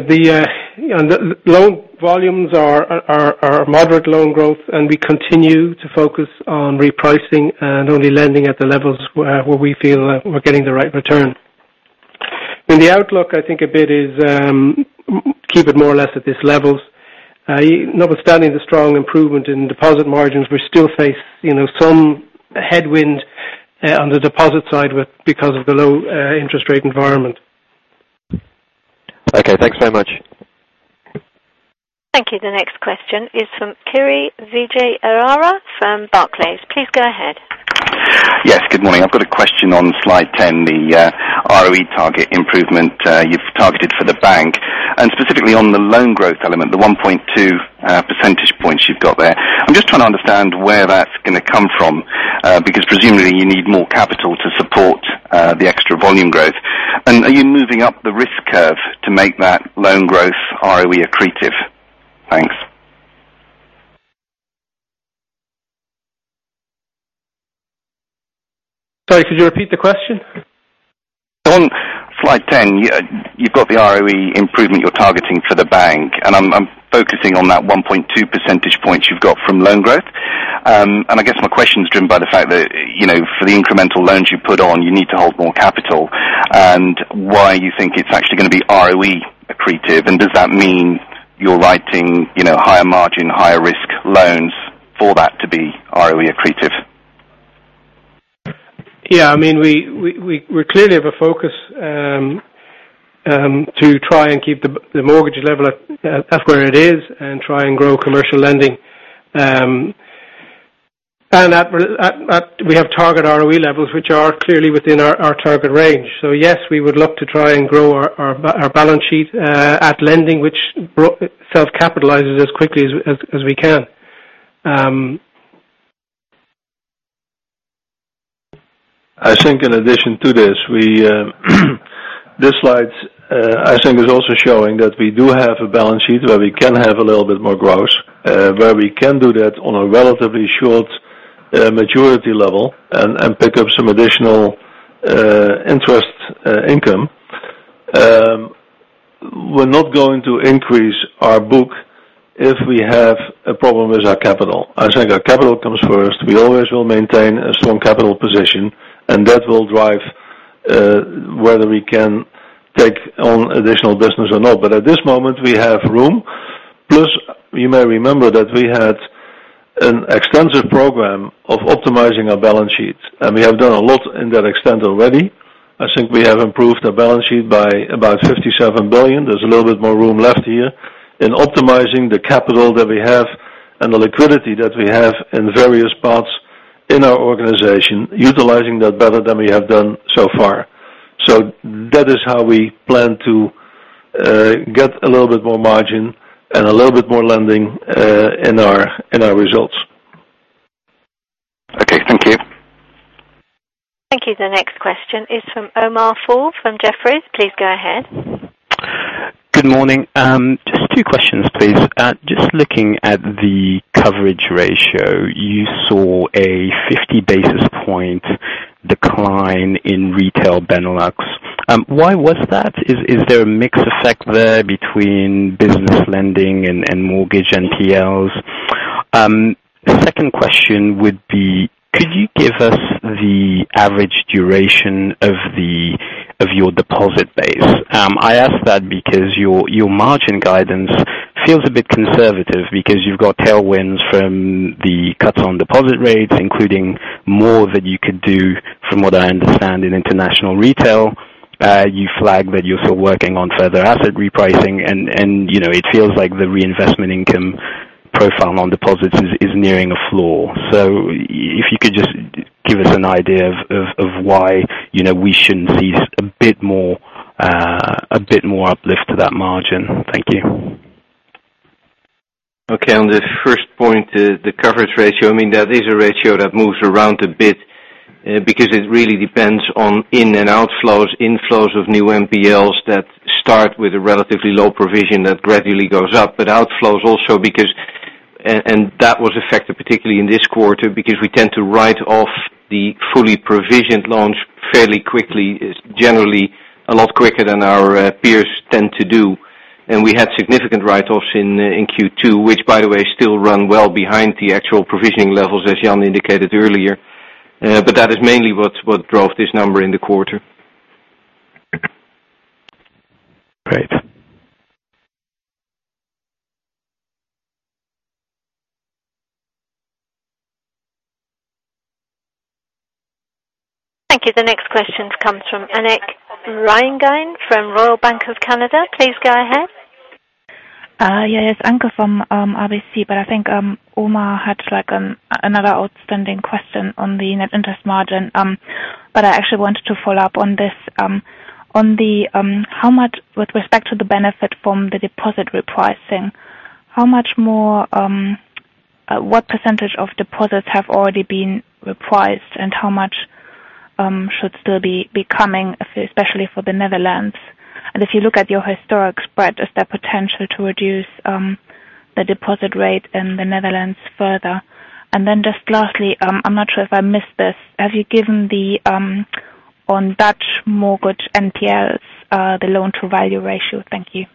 basis points. The loan volumes are moderate loan growth, we continue to focus on repricing and only lending at the levels where we feel we're getting the right return. In the outlook, keep it more or less at these levels. Notwithstanding the strong improvement in deposit margins, we still face some headwind on the deposit side because of the low interest rate environment. Okay, thanks very much. Thank you. The next question is from Kirishanthan Vijayarajah from Barclays. Please go ahead. Yes, good morning. I've got a question on slide 10, the ROE target improvement you've targeted for the bank, and specifically on the loan growth element, the 1.2 percentage points you've got there. I'm just trying to understand where that's going to come from, because presumably you need more capital to support the extra volume growth. Are you moving up the risk curve to make that loan growth ROE accretive? Thanks. Sorry, could you repeat the question? On slide 10, you've got the ROE improvement you're targeting for the bank, I guess my question is driven by the fact that for the incremental loans you put on, you need to hold more capital, why you think it's actually going to be ROE accretive, and does that mean you're writing higher margin, higher risk loans for that to be ROE accretive? Yeah, we clearly have a focus to try and keep the mortgage level at where it is and try and grow commercial lending. We have target ROE levels which are clearly within our target range. Yes, we would love to try and grow our balance sheet at lending, which self-capitalizes as quickly as we can. I think in addition to this slide I think is also showing that we do have a balance sheet where we can have a little bit more growth, where we can do that on a relatively short maturity level and pick up some additional interest income. We're not going to increase our book if we have a problem with our capital. I think our capital comes first We always will maintain a strong capital position, that will drive whether we can take on additional business or not. At this moment, we have room. Plus, you may remember that we had an extensive program of optimizing our balance sheet, we have done a lot in that extent already. I think we have improved the balance sheet by about 57 billion. There's a little bit more room left here in optimizing the capital that we have and the liquidity that we have in various parts in our organization, utilizing that better than we have done so far. That is how we plan to get a little bit more margin and a little bit more lending in our results. Okay, thank you. Thank you. The next question is from Omar Fall from Jefferies. Please go ahead. Good morning. Just two questions, please. Just looking at the coverage ratio, you saw a 50-basis point decline in retail Benelux. Why was that? Is there a mix effect there between business lending and mortgage NPLs? The second question would be, could you give us the average duration of your deposit base? I ask that because your margin guidance feels a bit conservative because you've got tailwinds from the cuts on deposit rates, including more that you could do, from what I understand, in international retail. You flagged that you're still working on further asset repricing, it feels like the reinvestment income profile on deposits is nearing a floor. If you could just give us an idea of why we shouldn't see a bit more uplift to that margin. Thank you. Okay. On the first point, the coverage ratio, that is a ratio that moves around a bit because it really depends on in and outflows, inflows of new NPLs that start with a relatively low provision that gradually goes up. Outflows also because that was affected particularly in this quarter because we tend to write off the fully provisioned loans fairly quickly. It is generally a lot quicker than our peers tend to do. We had significant write-offs in Q2, which by the way, still run well behind the actual provisioning levels, as Jan indicated earlier. That is mainly what drove this number in the quarter. Great. Thank you. The next question comes from Anke Reingen from RBC Capital Markets. Please go ahead. Yes. Anke from RBC, I think Omar had another outstanding question on the net interest margin. I actually wanted to follow up on this. With respect to the benefit from the deposit repricing, what % of deposits have already been repriced, and how much should still be coming, especially for the Netherlands? If you look at your historic spread, is there potential to reduce the deposit rate in the Netherlands further? Just lastly, I am not sure if I missed this. Have you given the Dutch mortgage NPLs, the loan to value ratio? Thank you.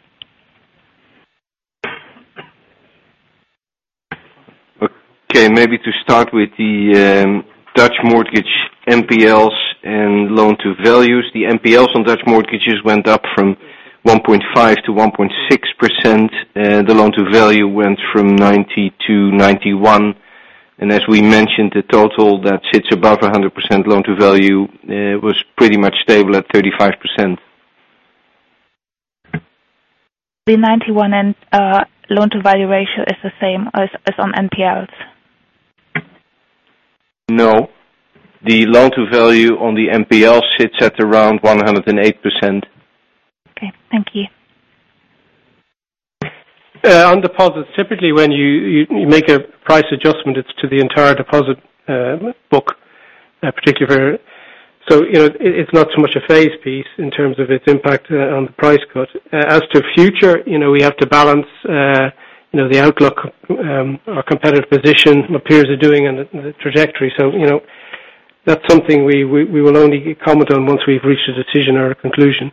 Okay, maybe to start with the Dutch mortgage NPLs and loan to values. The NPLs on Dutch mortgages went up from 1.5% to 1.6%. The loan to value went from 90 to 91. As we mentioned, the total that sits above 100% loan to value was pretty much stable at 35%. The 91 loan to value ratio is the same as on NPLs? No. The loan to value on the NPL sits at around 108%. Okay, thank you. On deposits, typically, when you make a price adjustment, it's to the entire deposit book, particularly. It's not so much a phase piece in terms of its impact on the price cut. As to future, we have to balance the outlook, our competitive position, what peers are doing, and the trajectory. That's something we will only comment on once we've reached a decision or a conclusion.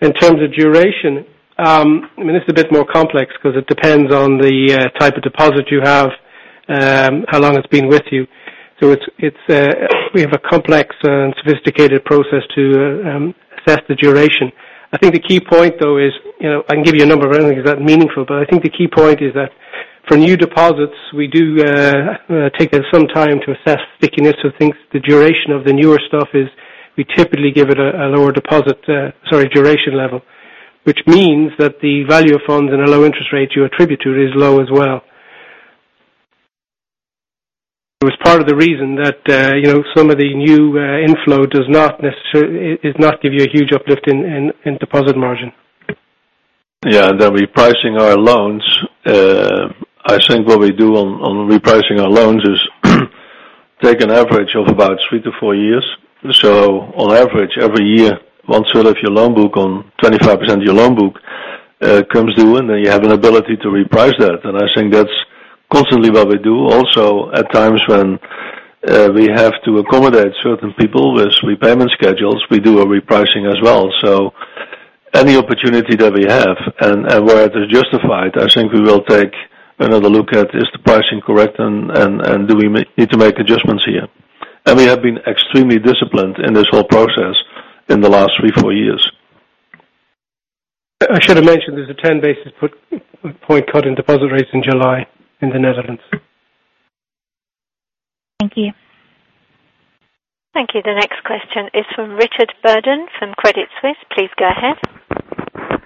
In terms of duration, this is a bit more complex because it depends on the type of deposit you have, how long it's been with you. We have a complex and sophisticated process to assess the duration. I can give you a number. I don't think it's that meaningful, but I think the key point is that for new deposits, we do take some time to assess stickiness of things. The duration of the newer stuff is we typically give it a lower duration level, which means that the value of funds and the low interest rates you attribute to it is low as well. It was part of the reason that some of the new inflow does not give you a huge uplift in deposit margin. Repricing our loans. I think what we do on repricing our loans is take an average of about three to four years. On average, every year, one third of your loan book on 25% of your loan book comes due, then you have an ability to reprice that. I think that's constantly what we do also at times when we have to accommodate certain people with repayment schedules, we do a repricing as well. Any opportunity that we have, and where it is justified, I think we will take another look at, is the pricing correct and do we need to make adjustments here? We have been extremely disciplined in this whole process in the last three, four years. I should have mentioned there's a 10 basis point cut in deposit rates in July in the Netherlands. Thank you. Thank you. The next question is from Richard Burden from Credit Suisse. Please go ahead.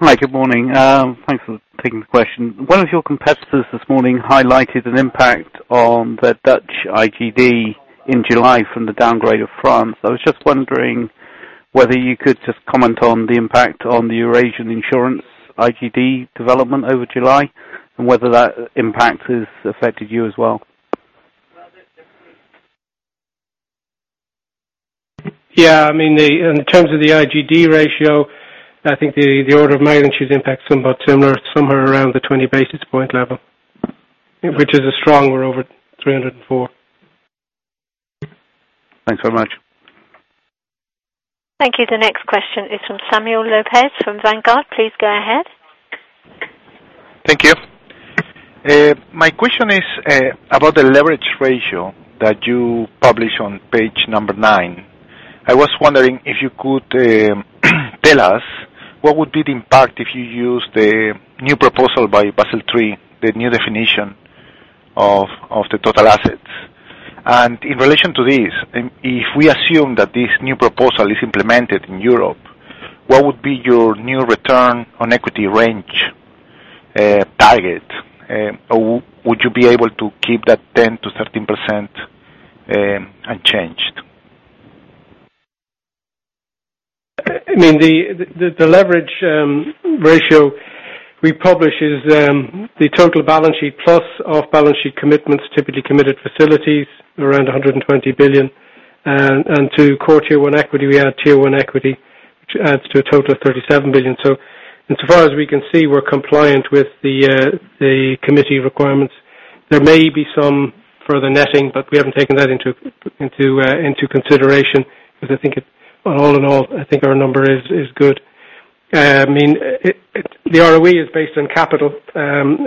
Hi, good morning. Thanks for taking the question. One of your competitors this morning highlighted an impact on the Dutch IGD in July from the downgrade of France. I was just wondering whether you could just comment on the impact on the ING Insurance Eurasia IGD development over July, and whether that impact has affected you as well. Yeah. In terms of the IGD ratio, I think the order of magnitude impact is somewhat similar, somewhere around the 20 basis point level. In stressed terms, we're over 304. Thanks very much. Thank you. The next question is from Samuel Lopez from Vanguard. Please go ahead. Thank you. My question is about the leverage ratio that you publish on page number nine. I was wondering if you could tell us what would be the impact if you use the new proposal by Basel III, the new definition of the total assets. In relation to this, if we assume that this new proposal is implemented in Europe, what would be your new return on equity range target? Would you be able to keep that 10%-13% unchanged? The leverage ratio we publish is the total balance sheet plus off balance sheet commitments, typically committed facilities, around 120 billion. To Core Tier 1 equity, we add Tier 1 equity, which adds to a total of 37 billion. Insofar as we can see, we're compliant with the committee requirements. There may be some further netting, but we haven't taken that into consideration because all in all, I think our number is good. The ROE is based on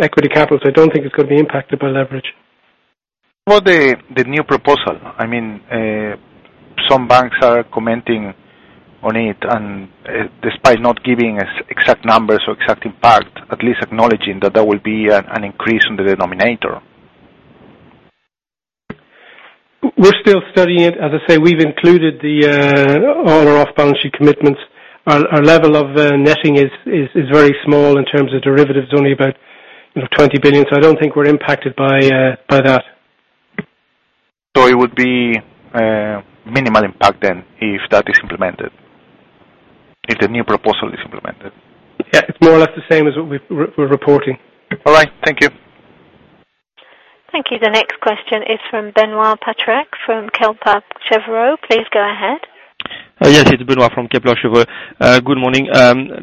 equity capital, so I don't think it's going to be impacted by leverage. What about the new proposal? Some banks are commenting on it, despite not giving us exact numbers or exact impact, at least acknowledging that there will be an increase in the denominator. We're still studying it. As I say, we've included all our off-balance sheet commitments. Our level of netting is very small in terms of derivatives, only about 20 billion. I don't think we're impacted by that. It would be minimal impact then, if that is implemented. If the new proposal is implemented. Yeah. It's more or less the same as what we're reporting. All right. Thank you. Thank you. The next question is from Benoît Pétrarque from Kepler Cheuvreux. Please go ahead. Yes, it's Benoît from Kepler Cheuvreux. Good morning.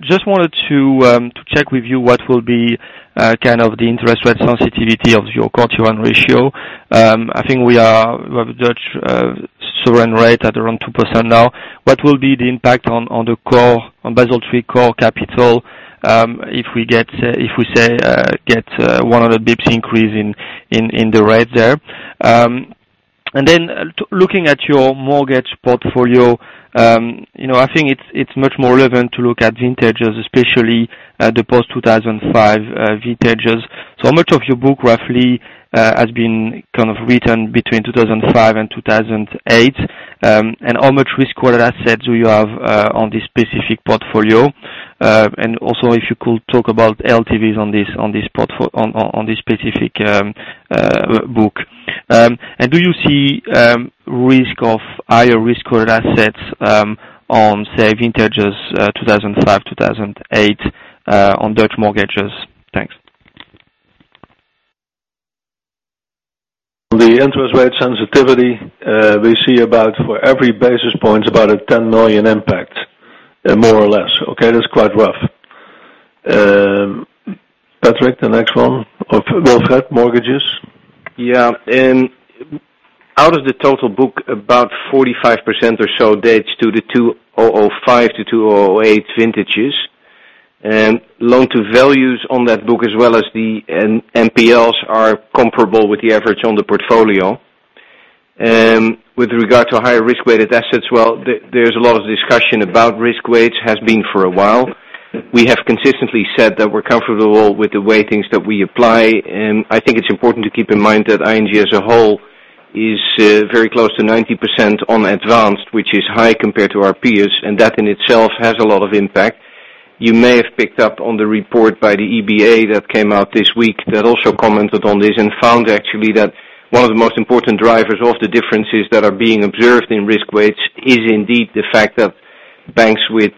Just wanted to check with you what will be the interest rate sensitivity of your Core Tier 1 ratio. I think we have a Dutch sovereign rate at around 2% now. What will be the impact on the Basel III core capital if we get 100 basis points increase in the rate there? Then looking at your mortgage portfolio, I think it's much more relevant to look at vintages, especially the post 2005 vintages. How much of your book roughly has been written between 2005 and 2008? How much risk-weighted assets do you have on this specific portfolio? Also, if you could talk about LTVs on this specific book. Do you see risk of higher risk-weighted assets on, say, vintages 2005, 2008, on Dutch mortgages? Thanks. The interest rate sensitivity, we see for every basis point, about a 10 million impact, more or less, okay? That's quite rough. Patrick, the next one, of mortgages. Out of the total book, about 45% or so dates to the 2005 to 2008 vintages. Loan to values on that book, as well as the NPLs are comparable with the average on the portfolio. With regard to higher risk-weighted assets, well, there's a lot of discussion about risk weights, has been for a while. We have consistently said that we're comfortable with the weightings that we apply. I think it's important to keep in mind that ING as a whole is very close to 90% on advanced, which is high compared to our peers, and that in itself has a lot of impact. You may have picked up on the report by the EBA that came out this week that also commented on this and found actually that one of the most important drivers of the differences that are being observed in risk weights is indeed the fact that banks with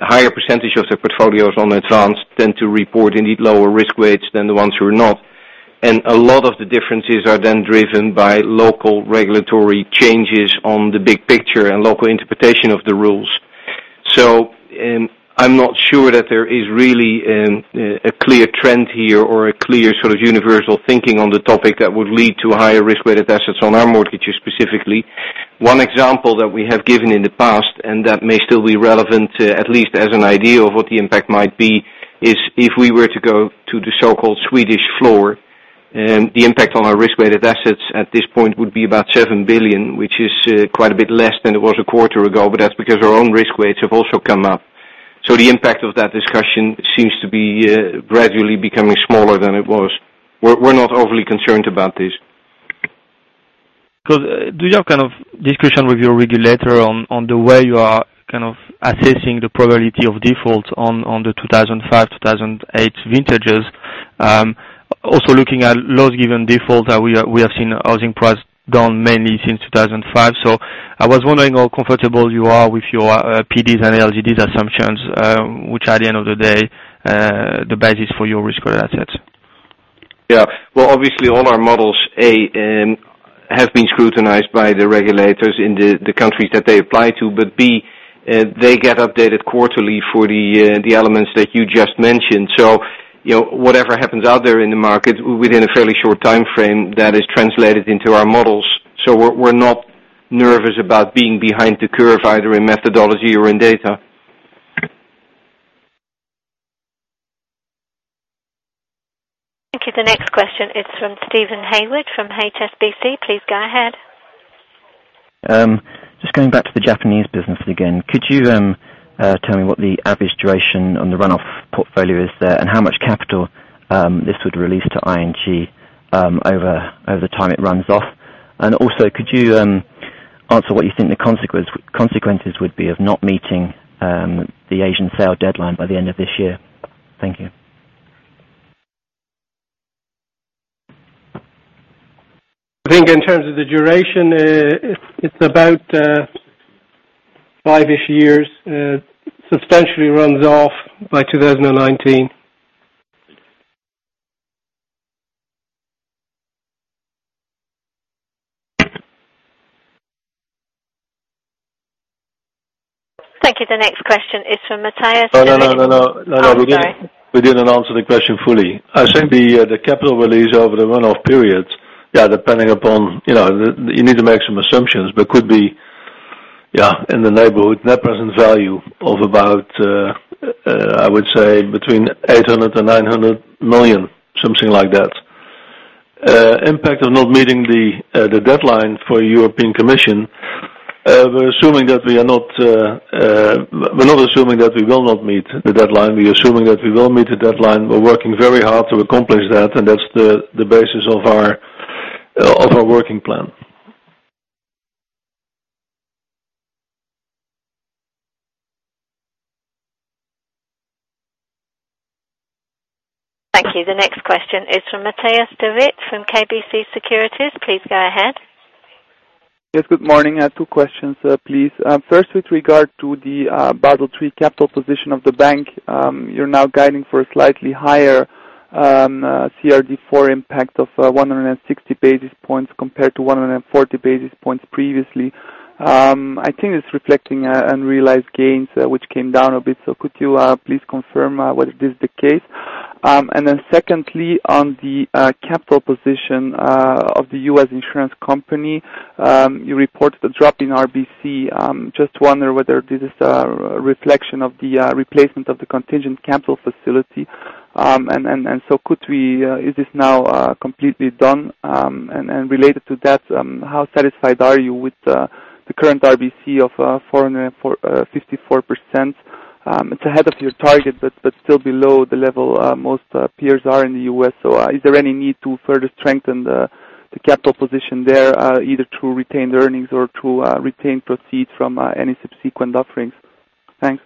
higher percentage of their portfolios on advanced tend to report indeed lower risk weights than the ones who are not. A lot of the differences are then driven by local regulatory changes on the big picture and local interpretation of the rules. I'm not sure that there is really a clear trend here or a clear sort of universal thinking on the topic that would lead to higher risk-weighted assets on our mortgages specifically. One example that we have given in the past, and that may still be relevant, at least as an idea of what the impact might be Is if we were to go to the so-called Swedish floor, the impact on our risk-weighted assets at this point would be about 7 billion, which is quite a bit less than it was a quarter ago, that's because our own risk weights have also come up. The impact of that discussion seems to be gradually becoming smaller than it was. We're not overly concerned about this. Do you have kind of discussion with your regulator on the way you are assessing the probability of default on the 2005, 2008 vintages? Also looking at loss given default, we have seen housing price down mainly since 2005. I was wondering how comfortable you are with your PDs and LGDs assumptions, which at the end of the day, the basis for your risk-weighted assets. Yeah. Well, obviously all our models, A, have been scrutinized by the regulators in the countries that they apply to, but B, they get updated quarterly for the elements that you just mentioned. Whatever happens out there in the market, within a fairly short timeframe, that is translated into our models. We're not nervous about being behind the curve either in methodology or in data. Thank you. The next question is from Steven Hayward from HSBC. Please go ahead. Just going back to the Japanese business again. Could you tell me what the average duration on the runoff portfolio is there, and how much capital this would release to ING over the time it runs off? Also, could you answer what you think the consequences would be of not meeting the Asian sale deadline by the end of this year? Thank you. I think in terms of the duration, it's about five-ish years. Substantially runs off by 2019. Thank you. The next question is from Matthias. No, we didn't. Oh, sorry. We didn't answer the question fully. I think the capital release over the runoff period, depending upon, you need to make some assumptions, but could be in the neighborhood, net present value of about, I would say between 800 million-900 million, something like that. Impact of not meeting the deadline for European Commission, we're not assuming that we will not meet the deadline. We're assuming that we will meet the deadline. We're working very hard to accomplish that, and that's the basis of our working plan. Thank you. The next question is from Matthias De Wit from KBC Securities. Please go ahead. Yes, good morning. I have two questions, please. First, with regard to the Basel III capital position of the bank. You're now guiding for a slightly higher CRD IV impact of 160 basis points compared to 140 basis points previously. I think it's reflecting unrealized gains, which came down a bit. Could you, please confirm whether this is the case? Secondly, on the capital position of the U.S. insurance company, you reported a drop in RBC. Just wonder whether this is a reflection of the replacement of the contingent capital facility. Is this now completely done? Related to that, how satisfied are you with the current RBC of 454%? It's ahead of your target, but still below the level most peers are in the U.S. Is there any need to further strengthen the capital position there, either to retain the earnings or to retain proceeds from any subsequent offerings? Thanks.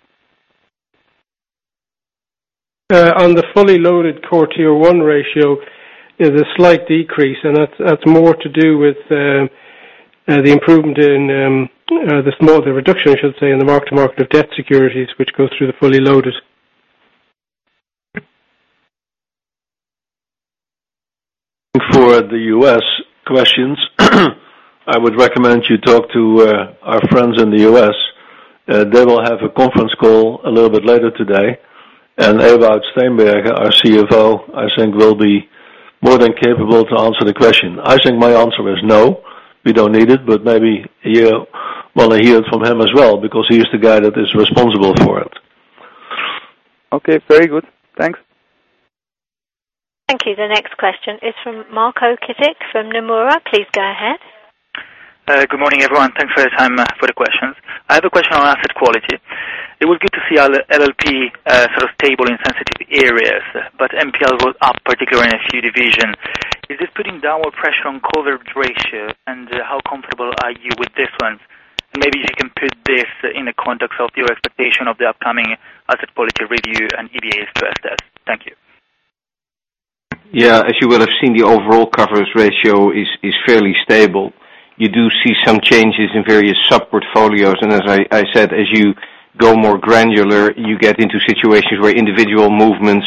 On the fully loaded Core Tier 1 ratio, is a slight decrease. That's more to do with the improvement in the smaller reduction, I should say, in the mark to market of debt securities, which goes through the fully loaded. For the U.S. questions, I would recommend you talk to our friends in the U.S. They will have a conference call a little bit later today. Ewout Steenbergen, our CFO, I think will be more than capable to answer the question. I think my answer is no, we don't need it, maybe you want to hear it from him as well, because he is the guy that is responsible for it. Okay, very good. Thanks. Thank you. The next question is from Marco Kittick from Nomura. Please go ahead. Good morning, everyone. Thanks for the time, for the questions. I have a question on asset quality. It was good to see LLP sort of stable in sensitive areas, but NPL was up, particularly in a few divisions. Is this putting downward pressure on coverage ratio, and how comfortable are you with this one? Maybe you can put this in the context of your expectation of the upcoming asset quality review and EBA stress test. Thank you. Yeah. As you will have seen, the overall coverage ratio is fairly stable. You do see some changes in various sub-portfolios. As I said, as you go more granular, you get into situations where individual movements,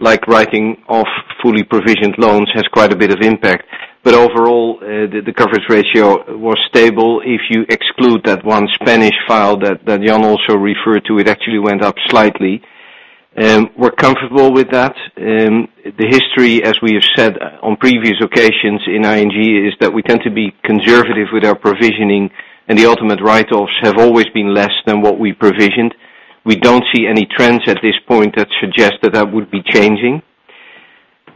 like writing off fully provisioned loans, has quite a bit of impact. Overall, the coverage ratio was stable. If you exclude that one Spanish file that Jan also referred to, it actually went up slightly. We're comfortable with that. The history, as we have said on previous occasions in ING, is that we tend to be conservative with our provisioning, and the ultimate write-offs have always been less than what we provisioned. We don't see any trends at this point that suggest that that would be changing.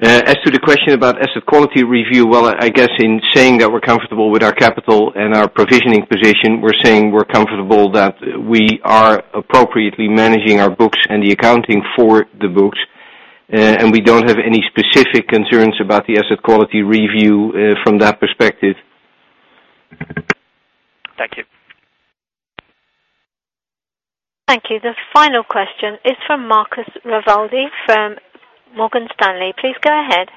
As to the question about asset quality review, well, I guess in saying that we're comfortable with our capital and our provisioning position, we're saying we're comfortable that we are appropriately managing our books and the accounting for the books, and we don't have any specific concerns about the asset quality review from that perspective. Thank you. Thank you. The final question is from Marcus Rivaldi from Morgan Stanley. Please go ahead.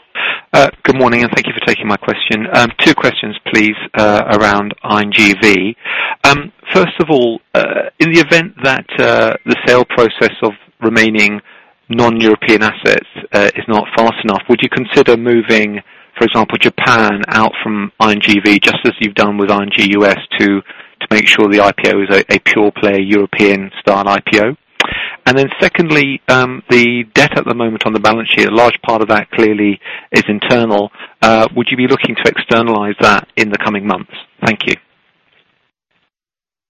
Good morning, thank you for taking my question. Two questions, please, around INGV. First of all, in the event that the sale process of remaining non-European assets is not fast enough, would you consider moving, for example, Japan out from INGV, just as you've done with ING U.S., to make sure the IPO is a pure play European-style IPO? Secondly, the debt at the moment on the balance sheet, a large part of that clearly is internal. Would you be looking to externalize that in the coming months? Thank you.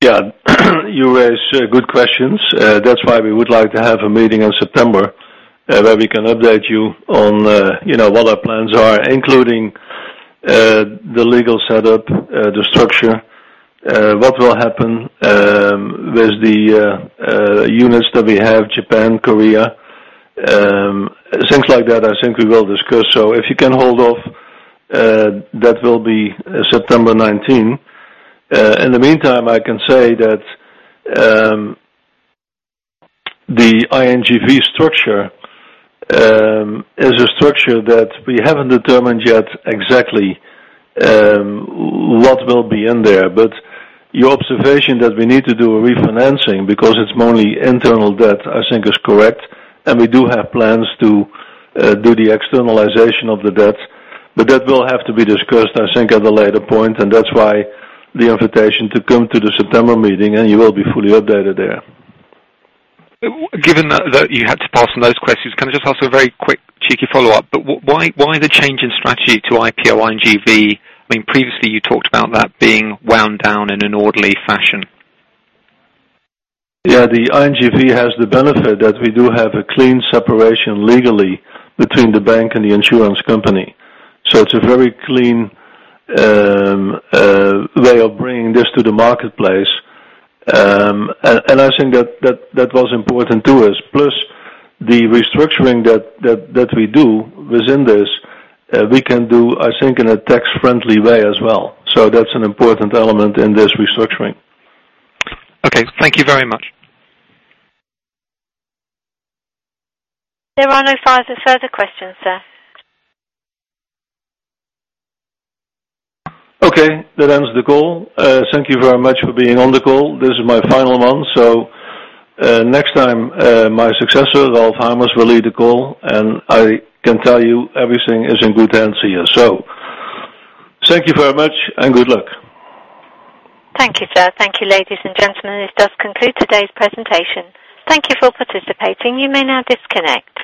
Yeah. You raise good questions. That's why we would like to have a meeting in September, where we can update you on what our plans are, including the legal setup, the structure, what will happen with the units that we have, Japan, Korea. Things like that, I think we will discuss. If you can hold off, that will be September 19. In the meantime, I can say that the INGV structure is a structure that we haven't determined yet exactly what will be in there. Your observation that we need to do a refinancing because it's mainly internal debt, I think is correct. We do have plans to do the externalization of the debt. That will have to be discussed, I think, at a later point, and that's why the invitation to come to the September meeting, you will be fully updated there. Given that you had to pass on those questions, can I just ask a very quick, cheeky follow-up? Why the change in strategy to IPO INGV? Previously you talked about that being wound down in an orderly fashion. Yeah. The INGV has the benefit that we do have a clean separation legally between the bank and the insurance company. It's a very clean way of bringing this to the marketplace. I think that was important to us. Plus, the restructuring that we do within this, we can do, I think, in a tax-friendly way as well. That's an important element in this restructuring. Okay. Thank you very much. There are no further questions, sir. Okay. That ends the call. Thank you very much for being on the call. This is my final one. Next time, my successor, Ralph Hamers, will lead the call, I can tell you everything is in good hands here. Thank you very much, and good luck. Thank you, sir. Thank you, ladies and gentlemen. This does conclude today's presentation. Thank you for participating. You may now disconnect.